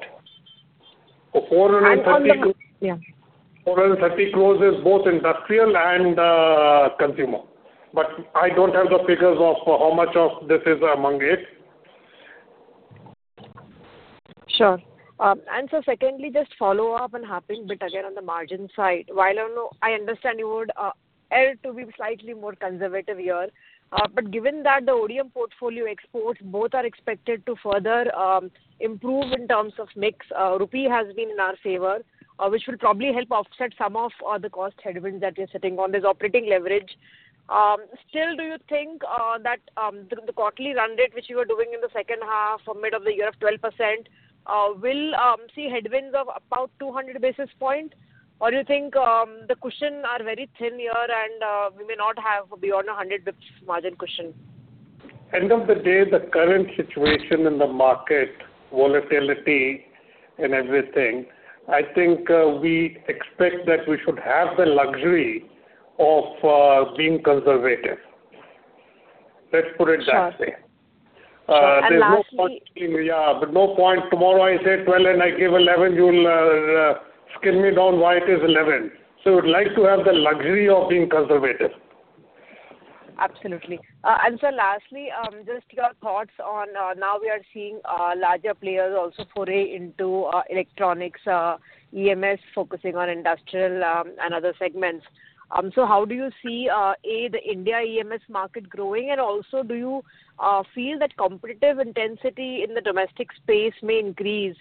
S4: So 430 crores.
S12: From the Yeah.
S4: 430 crores is both industrial and consumer. I don't have the figures of how much of this is among it.
S12: Sure. Secondly, just follow up on happening bit again on the margin side. While I know, I understand you would err to be slightly more conservative here, given that the ODM portfolio exports both are expected to further improve in terms of mix, rupee has been in our favor, which will probably help offset some of the cost headwinds that you're sitting on this operating leverage. Do you think that the quarterly run rate which you were doing in the second half from mid of the year of 12%, will see headwinds of about 200 basis points? Do you think the cushion are very thin here and we may not have beyond 100 basis points margin cushion?
S4: End of the day, the current situation in the market, volatility and everything, I think, we expect that we should have the luxury of being conservative. Let's put it that way.
S12: Sure. Sure.
S4: No point tomorrow I say 12 and I give 11, you'll scale me down why it is 11. We'd like to have the luxury of being conservative.
S12: Absolutely. Sir, lastly, just your thoughts on, now we are seeing larger players also foray into electronics, EMS focusing on industrial, and other segments. How do you see A, the India EMS market growing? Also, do you feel that competitive intensity in the domestic space may increase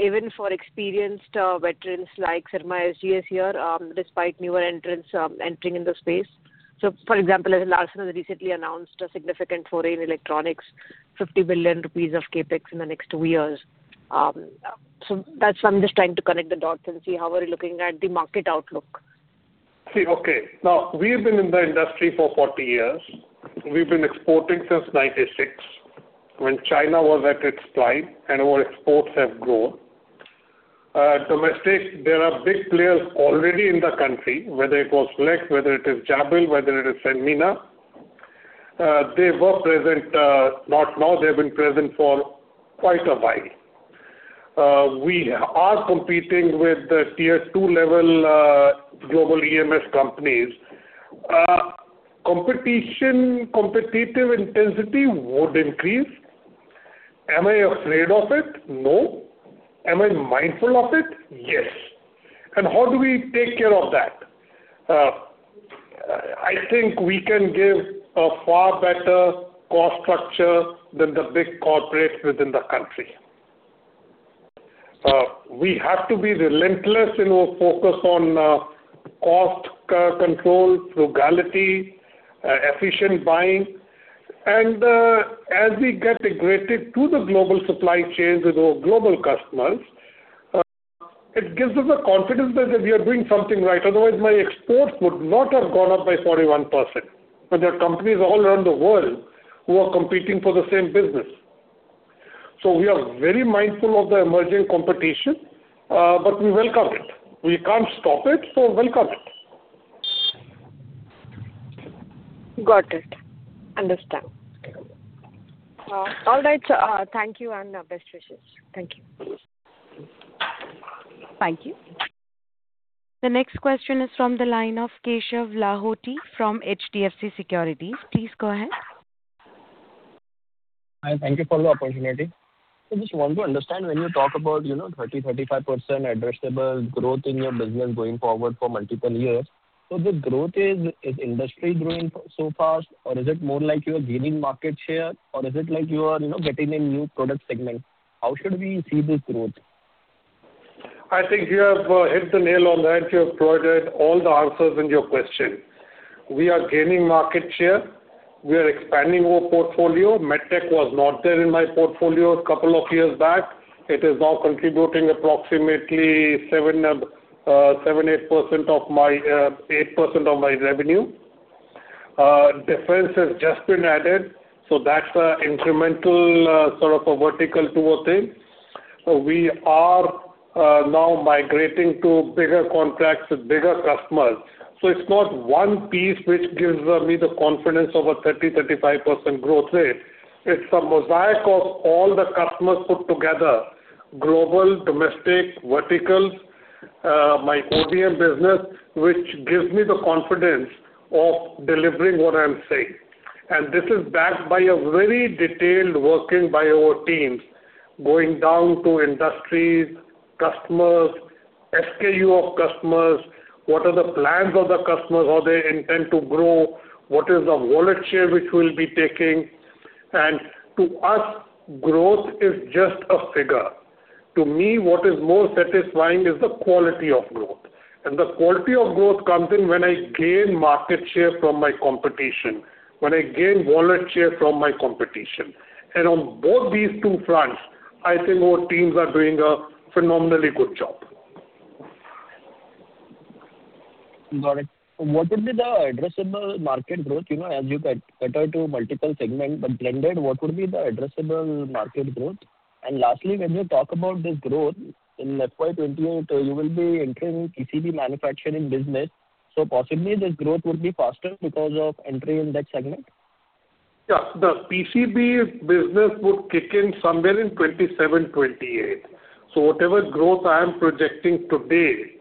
S12: even for experienced veterans like Syrma SGS here, despite newer entrants entering in the space? For example, Larsen had recently announced a significant foray in electronics, 50 billion rupees of CapEx in the next two years. That's why I'm just trying to connect the dots and see how we're looking at the market outlook.
S4: See, okay. We've been in the industry for 40 years. We've been exporting since 96 when China was at its prime and our exports have grown. Domestic, there are big players already in the country, whether it was Flex, whether it is Jabil, whether it is Sanmina. They were present, not now, they've been present for quite a while. We are competing with the Tier 2 level, global EMS companies. Competition, competitive intensity would increase. Am I afraid of it? No. Am I mindful of it? Yes. How do we take care of that? I think we can give a far better cost structure than the big corporates within the country. We have to be relentless in our focus on, cost control, frugality, efficient buying. As we get integrated to the global supply chains with our global customers, it gives us the confidence that we are doing something right. Otherwise, my exports would not have gone up by 41%. There are companies all around the world who are competing for the same business. We are very mindful of the emerging competition, but we welcome it. We can't stop it, so welcome it.
S12: Got it. Understand. All right, sir. Thank you and best wishes. Thank you.
S1: Thank you. The next question is from the line of Keshav Lahoti from HDFC Securities. Please go ahead.
S13: Hi, thank you for the opportunity. Just want to understand when you talk about, you know, 30%-35% addressable growth in your business going forward for multiple years. The growth is industry growing so fast, or is it more like you are gaining market share? Is it like you are, you know, getting a new product segment? How should we see this growth?
S4: I think you have hit the nail on the head. You have provided all the answers in your question. We are gaining market share. We are expanding our portfolio. MedTech was not there in my portfolio a couple of years back. It is now contributing approximately 7%-8% of my revenue. Defense has just been added, so that's an incremental sort of a vertical to our thing. We are now migrating to bigger contracts with bigger customers. It's not one piece which gives me the confidence of a 30%-35% growth rate. It's a mosaic of all the customers put together, global, domestic, verticals, my ODM business, which gives me the confidence of delivering what I'm saying. This is backed by a very detailed working by our teams, going down to industries, customers, SKU of customers, what are the plans of the customers, how they intend to grow, what is the wallet share which we will be taking. To us, growth is just a figure. To me, what is more satisfying is the quality of growth. The quality of growth comes in when I gain market share from my competition, when I gain wallet share from my competition. On both these two fronts, I think our teams are doing a phenomenally good job.
S13: Got it. What would be the addressable market growth, you know, as you cater to multiple segments, but blended, what would be the addressable market growth? Lastly, when you talk about this growth in FY 2028, you will be entering PCB manufacturing business. Possibly this growth would be faster because of entry in that segment?
S4: The PCB business would kick in somewhere in 2027, 2028. Whatever growth I am projecting today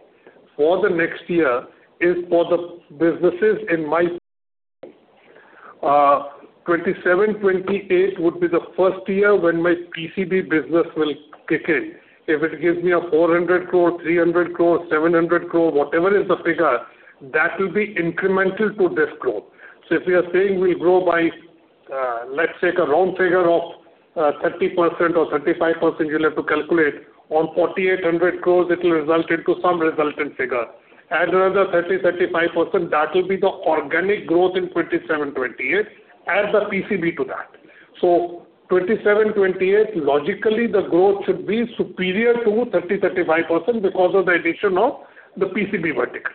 S4: for the next year is for the businesses in 2027, 2028 would be the first year when my PCB business will kick in. If it gives me a 400 crore, 300 crore, 700 crore, whatever is the figure, that will be incremental to this growth. If we are saying we'll grow by, let's take a round figure of, 30% or 35%, you'll have to calculate, on 4,800 crore it will result into some resultant figure. Add another 30%, 35%, that will be the organic growth in 2027, 2028. Add the PCB to that. 2027, 2028, logically the growth should be superior to 30%, 35% because of the addition of the PCB vertical.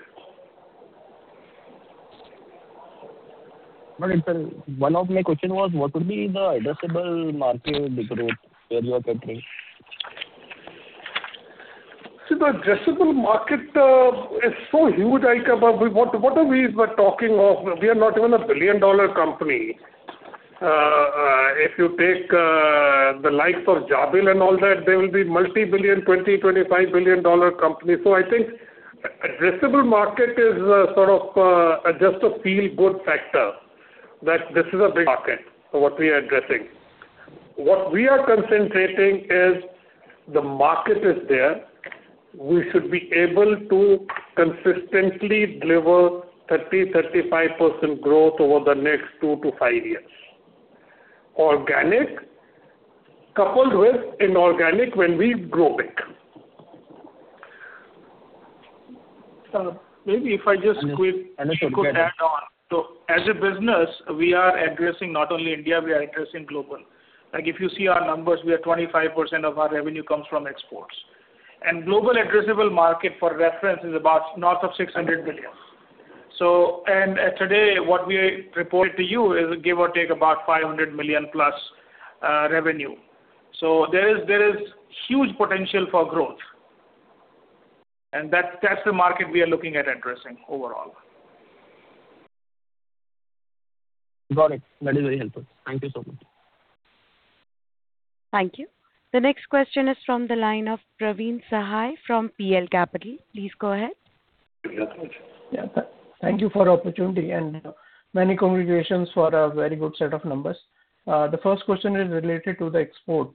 S13: Sir, one of my question was what would be the addressable market growth where you are entering?
S4: See, the addressable market is so huge, I think. What are we even talking of? We are not even a billion-dollar company. If you take the likes of Jabil and all that, they will be multi-billion, $20 billion, $25 billion company. I think addressable market is a sort of just a feel-good factor, that this is a big market for what we are addressing. What we are concentrating is the market is there. We should be able to consistently deliver 30-35% growth over the next two to five years. Organic coupled with inorganic when we grow big.
S6: Sir, maybe if I just. Could add on. As a business, we are addressing not only India, we are addressing global. Like if you see our numbers, we are 25% of our revenue comes from exports. Global addressable market for reference is about north of $600 billion. Today, what we reported to you is give or take about 500+ million revenue. There is huge potential for growth, and that's the market we are looking at addressing overall.
S13: Got it. That is very helpful. Thank you so much.
S1: Thank you. The next question is from the line of Praveen Sahay from PL Capital. Please go ahead.
S14: Thank you. Thank you for the opportunity and many congratulations for a very good set of numbers. The first question is related to the export.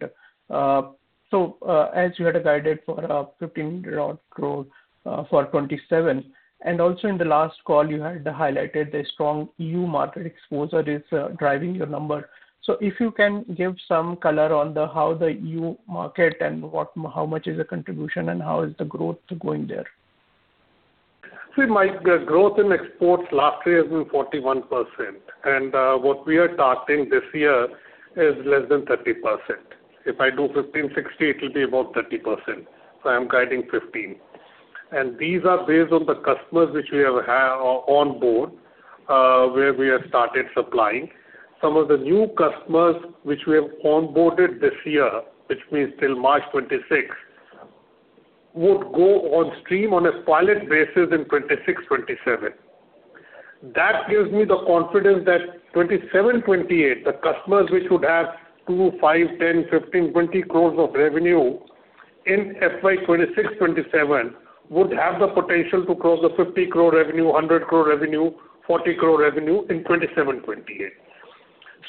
S14: As you had guided for 15 crore for 2027, and also in the last call you had highlighted the strong EU market exposure is driving your number. If you can give some color on the how the EU market and how much is the contribution and how is the growth going there?
S4: The growth in exports last year was 41%. What we are targeting this year is less than 30%. If I do 15/60, it will be about 30%, so I am guiding 15. These are based on the customers which we have on board, where we have started supplying. Some of the new customers which we have onboarded this year, which means till March 2026, would go on stream on a pilot basis in 2026-2027. That gives me the confidence that 2027-2028, the customers which would have 2 crore, 5 crore, 10 crore, 15 crore, 20 crore of revenue in FY 2026-2027 would have the potential to cross the 50 crore revenue, 100 crore revenue, 40 crore revenue in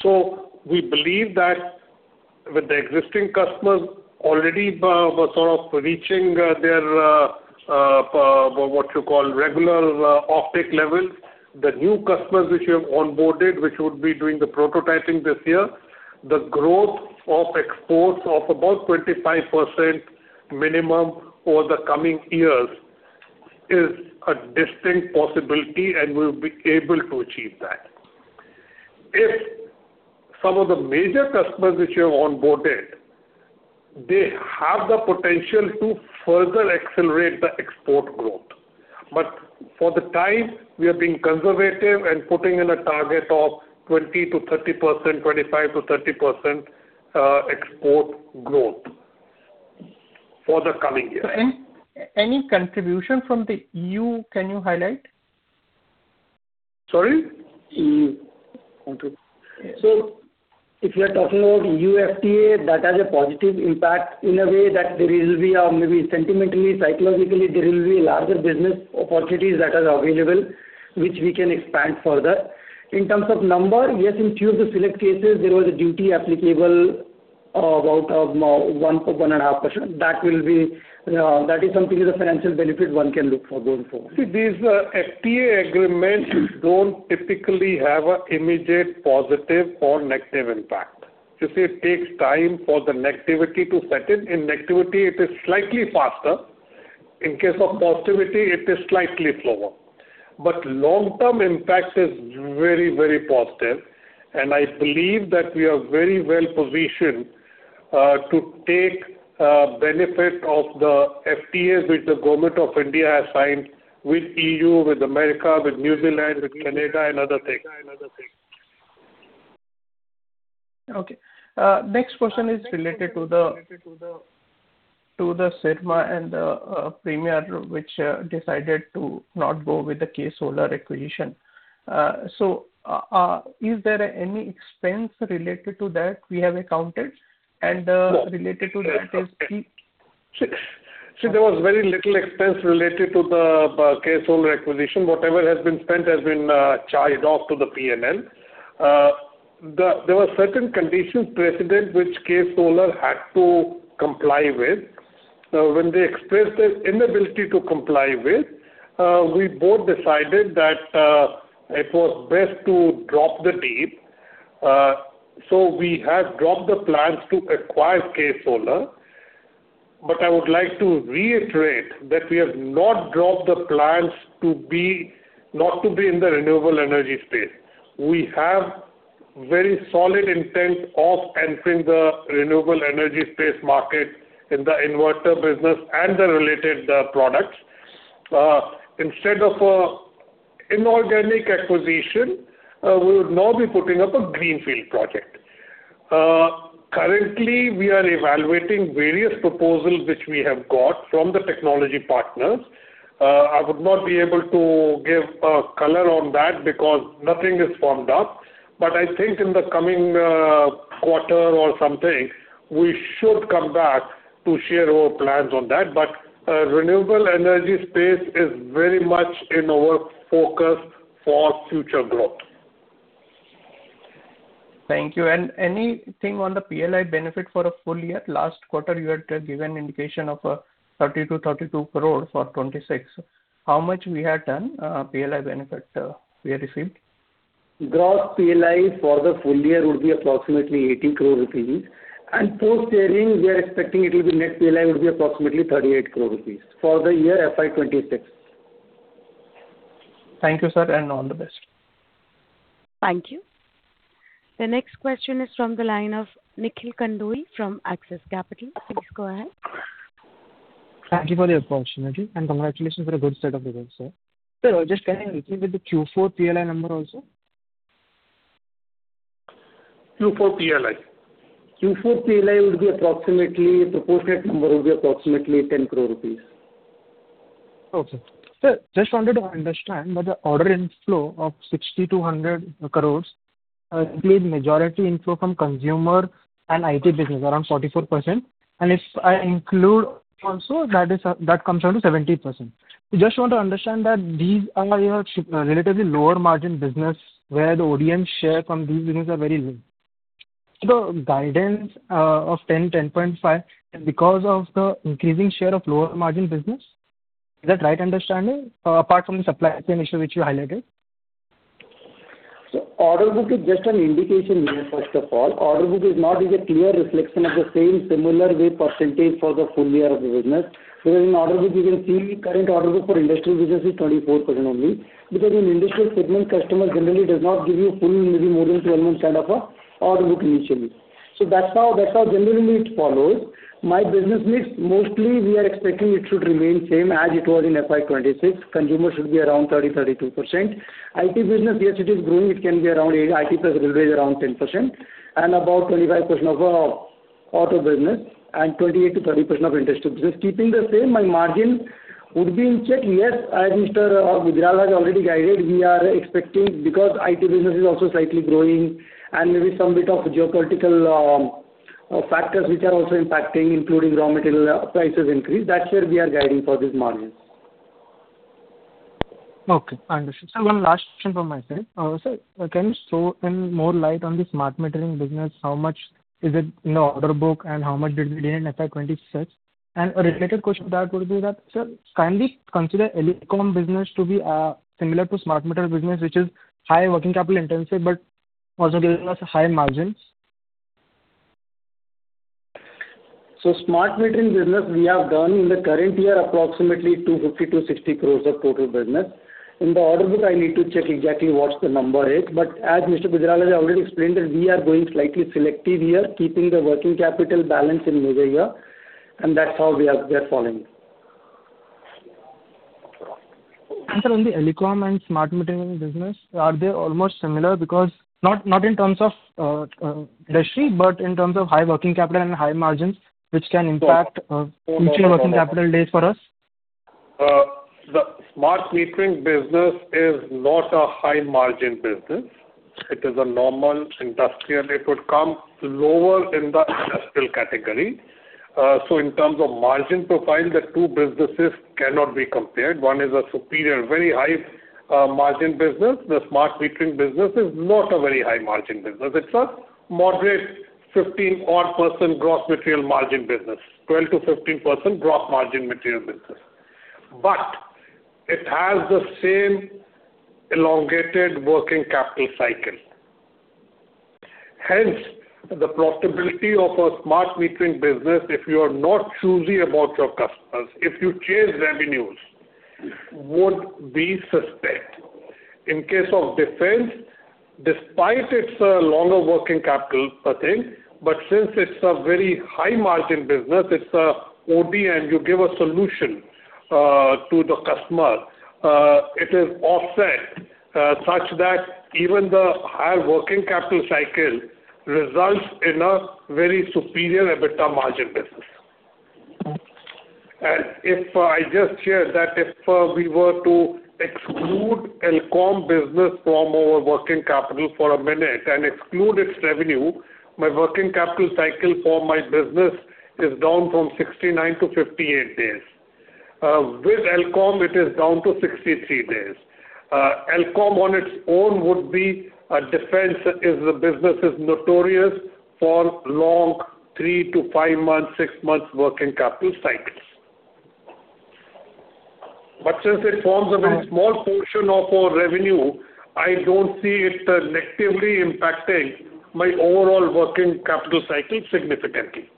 S4: 2027-2028. We believe that with the existing customers already, sort of reaching their, what you call, regular, offtake levels, the new customers which we have onboarded, which would be doing the prototyping this year, the growth of exports of about 25% minimum over the coming years is a distinct possibility, and we'll be able to achieve that. If some of the major customers which we have onboarded, they have the potential to further accelerate the export growth. For the time, we are being conservative and putting in a target of 20%-30%, 25%-30%, export growth for the coming year.
S14: Any contribution from the EU can you highlight?
S4: Sorry?
S14: EU.
S4: Okay.
S6: If we are talking about EU FTA, that has a positive impact in a way that there will be, maybe sentimentally, psychologically, there will be larger business opportunities that are available which we can expand further. In terms of number, yes, in few of the select cases, there was a duty applicable, about 1.5%. That will be, that is something is a financial benefit one can look for going forward.
S4: See, these FTA agreements don't typically have a immediate positive or negative impact. You see, it takes time for the negativity to set in. In negativity, it is slightly faster. In case of positivity, it is slightly slower. Long-term impact is very, very positive, and I believe that we are very well positioned to take benefit of the FTAs which the Government of India has signed with EU, with America, with New Zealand, with Canada and other things.
S14: Okay. Next question is related to the Syrma and the Premier which decided to not go with the KSolare Energy acquisition. Is there any expense related to that we have accounted?
S4: No.
S14: Related to that is.
S4: There was very little expense related to the KSolare Energy acquisition. Whatever has been spent has been charged off to the P&L. There were certain conditions precedent which KSolare Energy had to comply with. When they expressed this inability to comply with, we both decided that it was best to drop the deal. We have dropped the plans to acquire KSolare Energy. I would like to reiterate that we have not dropped the plans not to be in the renewable energy space. We have very solid intent of entering the renewable energy space market in the inverter business and the related products. Instead of inorganic acquisition, we would now be putting up a greenfield project. Currently, we are evaluating various proposals which we have got from the technology partners. I would not be able to give a color on that because nothing is firmed up. I think in the coming quarter or something, we should come back to share our plans on that. Renewable energy space is very much in our focus for future growth.
S14: Thank you. Anything on the PLI benefit for a full year? Last quarter, you had given indication of 30 crore to 32 crore for 2026. How much we have done, PLI benefit, we have received?
S5: Gross PLI for the full year would be approximately 80 crore rupees. Post sharing, we are expecting it will be net PLI will be approximately 38 crore rupees for the year FY 2026.
S14: Thank you, sir, and all the best.
S1: Thank you. The next question is from the line of Nikhil Kandoi from Axis Capital. Please go ahead.
S15: Thank you for the opportunity, and congratulations for a good set of results, sir. Sir, just can I get you with the Q4 PLI number also?
S4: Q4 PLI.
S5: Q4 PLI would be approximately proportionate number would be approximately 10 crore rupees.
S15: Okay. Sir, just wanted to understand that the order inflow of 6,200 crores includes majority inflow from consumer and IT business, around 44%. If I include also that is, that comes down to 70%. Just want to understand that these are your relatively lower margin business, where the ODM share from these business are very low. Guidance of 10%-10.5% because of the increasing share of lower margin business. Is that right understanding? Apart from the supply chain issue which you highlighted.
S5: Order book is just an indication here, first of all. Order book is not a clear reflection of the same similar weight percentage for the full year of the business. In order book you can see current order book for industrial business is 24% only. In industrial segment, customer generally does not give you full maybe more than 12 months kind of a order book initially. That's how generally it follows. My business mix, mostly we are expecting it should remain same as it was in FY 2026. Consumer should be around 30%-32%. IT business, yes, it is growing. It can be around 8%. IT business will raise around 10%. About 25% of auto business and 28%-30% of industrial business. Keeping the same, my margin would be in check. Yes, as Mr. Gujral has already guided, we are expecting because IT business is also slightly growing and maybe some bit of geopolitical factors which are also impacting, including raw material prices increase. That's where we are guiding for these margins.
S15: Okay, understood. Sir, one last question from my side. Sir, can you throw some more light on the smart metering business? How much is it in the order book, and how much did we do in FY 2026? A related question to that would be that, sir, kindly consider Elcome business to be similar to smart meter business, which is high working capital intensive, but also giving us high margins.
S5: Smart metering business we have done in the current year approximately 250 crores-260 crores of total business. In the order book, I need to check exactly what the number is, but as Mr. Gujral has already explained that we are going slightly selective here, keeping the working capital balance in measure here, and that's how we are following.
S15: Sir, on the Elcome and smart metering business, are they almost similar? Because not in terms of industry, but in terms of high working capital and high margins, which can impact future working capital days for us.
S4: The smart metering business is not a high margin business. It is a normal industrial. It would come lower in the industrial category. In terms of margin profile, the two businesses cannot be compared. One is a superior, very high margin business. The smart metering business is not a very high margin business. It's a moderate 15 odd % gross material margin business, 12%-15% gross margin material business. It has the same elongated working capital cycle. The profitability of a smart metering business, if you are not choosy about your customers, if you chase revenues, would be suspect. In case of defense, despite its longer working capital, since it's a ODM, you give a solution to the customer, it is offset such that even the higher working capital cycle results in a very superior EBITDA margin business. If I just shared that if we were to exclude Elcome business from our working capital for a minute and exclude its revenue, my working capital cycle for my business is down from 69 to 58 days. With Elcome it is down to 63 days. Elcome on its own would be a defense as the business is notorious for long three to five months, six months working capital cycles. Since it forms a very small portion of our revenue, I don't see it negatively impacting my overall working capital cycle significantly.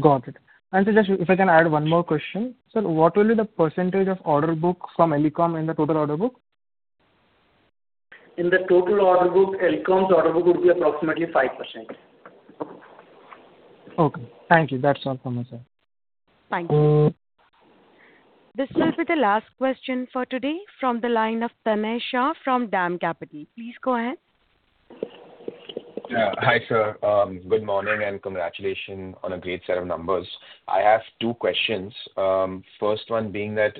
S15: Got it. Just if I can add one more question. Sir, what will be the percentage of order book from Elcome in the total order book?
S5: In the total order book, Elcome's order book would be approximately 5%.
S15: Okay. Thank you. That's all from my side.
S1: Thank you. This will be the last question for today from the line of Tanay Shah from DAM Capital. Please go ahead.
S16: Hi, sir. Good morning, and congratulations on a great set of numbers. I have two questions. First one being that,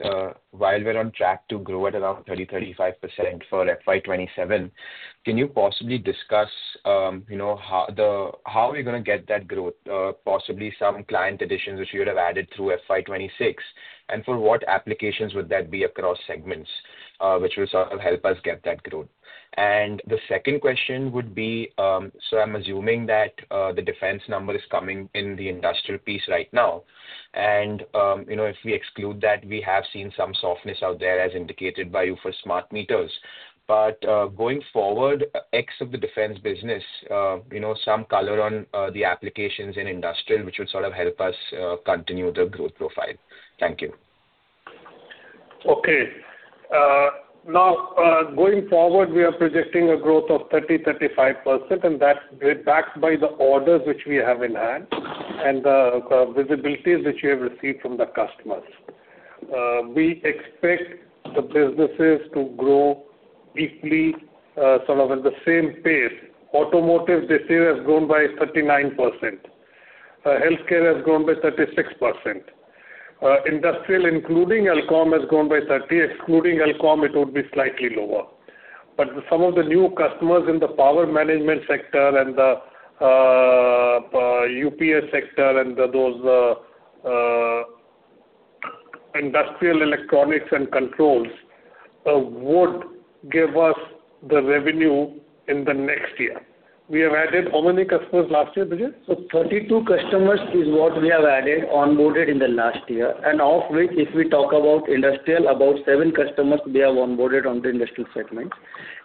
S16: while we're on track to grow at around 30%-35% for FY 2027, can you possibly discuss, you know, how we're gonna get that growth? Possibly some client additions which you would have added through FY 2026, for what applications would that be across segments, which will sort of help us get that growth? The second question would be, I'm assuming that the defense number is coming in the industrial piece right now. You know, if we exclude that, we have seen some softness out there as indicated by you for smart meters. Going forward, ex of the defense business, you know, some color on the applications in industrial which would sort of help us continue the growth profile. Thank you.
S4: Okay. Now, going forward, we are projecting a growth of 30%-35%, that's backed by the orders which we have in hand and the visibilities which we have received from the customers. We expect the businesses to grow equally, sort of at the same pace. Automotive this year has grown by 39%. Healthcare has grown by 36%. Industrial including Elcome has grown by 30%. Excluding Elcome, it would be slightly lower. Some of the new customers in the power management sector and the UPS sector and those industrial electronics and controls would give us the revenue in the next year. We have added how many customers last year, Bijay?
S5: 32 customers is what we have added, onboarded in the last year. Of which, if we talk about industrial, about seven customers they have onboarded on the industrial segment.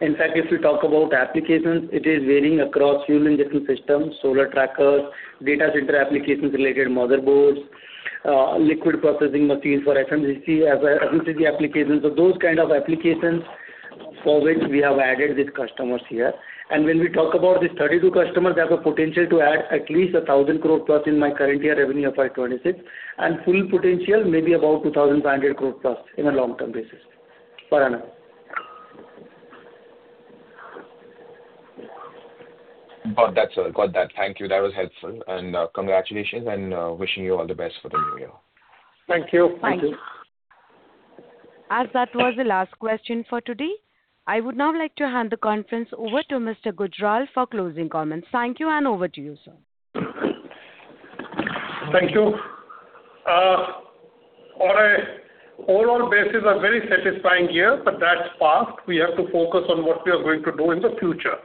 S5: In fact, if you talk about applications, it is varying across fuel injection systems, solar trackers, data center applications related motherboards, liquid processing machines for FMCG applications. Those kind of applications for which we have added these customers here. When we talk about these 32 customers, they have a potential to add at least 1,000 crore plus in my current year revenue of FY 2026, and full potential maybe about 2,500 crore plus in a long-term basis. For now.
S16: Got that, sir. Got that. Thank you. That was helpful. Congratulations, wishing you all the best for the new year.
S4: Thank you. Thank you.
S1: Thanks. As that was the last question for today, I would now like to hand the conference over to Mr. Gujral for closing comments. Thank you, and over to you, sir.
S4: Thank you. On a overall basis, a very satisfying year, but that's past. We have to focus on what we are going to do in the future.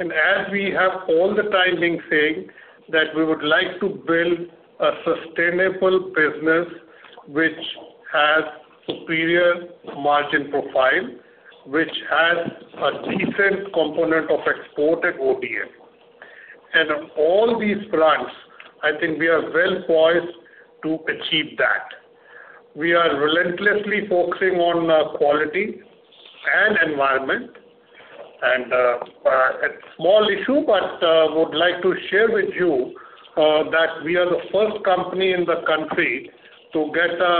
S4: As we have all the time been saying that we would like to build a sustainable business which has superior margin profile, which has a decent component of export and ODM. On all these fronts, I think we are well-poised to achieve that. We are relentlessly focusing on quality and environment. A small issue, but would like to share with you that we are the first company in the country to get a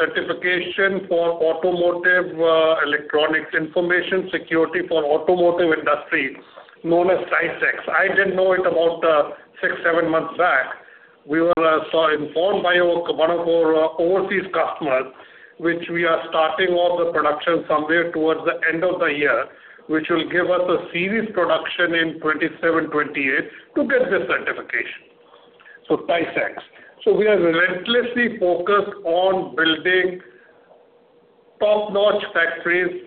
S4: certification for automotive electronics information security for automotive industry known as TISAX. I didn't know it about six, seven months back. We were so informed by one of our overseas customers, which we are starting off the production somewhere towards the end of the year, which will give us a series production in 2027, 2028 to get this certification. TISAX. We are relentlessly focused on building top-notch factories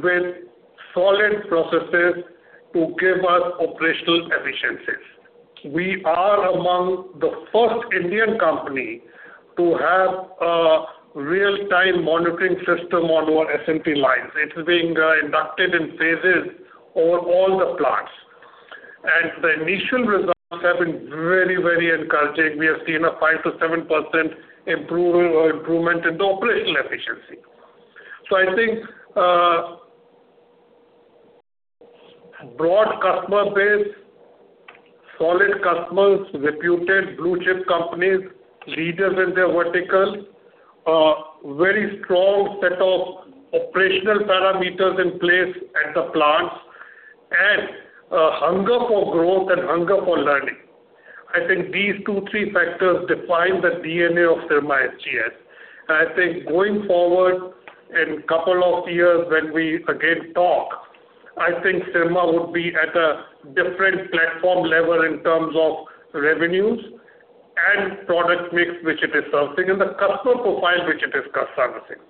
S4: with solid processes to give us operational efficiencies. We are among the first Indian company to have a real-time monitoring system on our SMT lines. It's being inducted in phases over all the plants. The initial results have been very encouraging. We have seen a 5%-7% improvement in the operational efficiency. I think, broad customer base, solid customers, reputed blue-chip companies, leaders in their verticals, a very strong set of operational parameters in place at the plants, and a hunger for growth and hunger for learning. I think these two, three factors define the DNA of Syrma SGS. I think going forward in couple of years when we again talk, I think Syrma would be at a different platform level in terms of revenues and product mix which it is servicing, and the customer profile which it is servicing.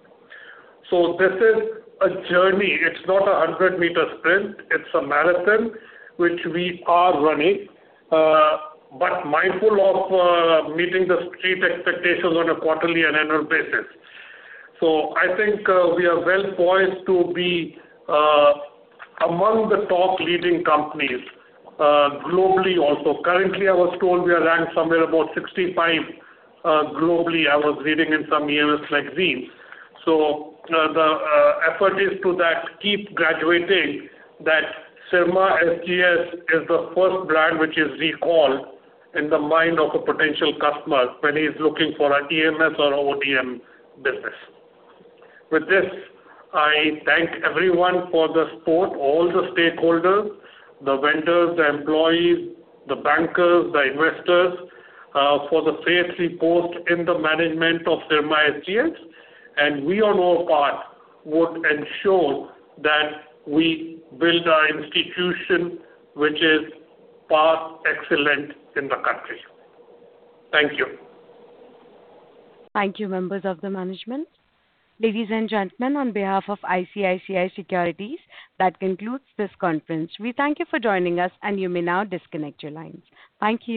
S4: This is a journey. It's not a 100-m sprint, it's a marathon which we are running, but mindful of meeting the street expectations on a quarterly and annual basis. I think we are well-poised to be among the top leading companies globally also. Currently, I was told we are ranked somewhere about 65 globally, I was reading in some U.S. magazines. The effort is to keep graduating that Syrma SGS is the first brand which is recalled in the mind of a potential customer when he's looking for an EMS or ODM business. With this, I thank everyone for the support, all the stakeholders, the vendors, the employees, the bankers, the investors, for the faith reposed in the management of Syrma SGS. We on our part would ensure that we build an institution which is par excellent in the country. Thank you.
S1: Thank you, members of the management. Ladies and gentlemen, on behalf of ICICI Securities, that concludes this conference. We thank you for joining us, and you may now disconnect your lines. Thank you.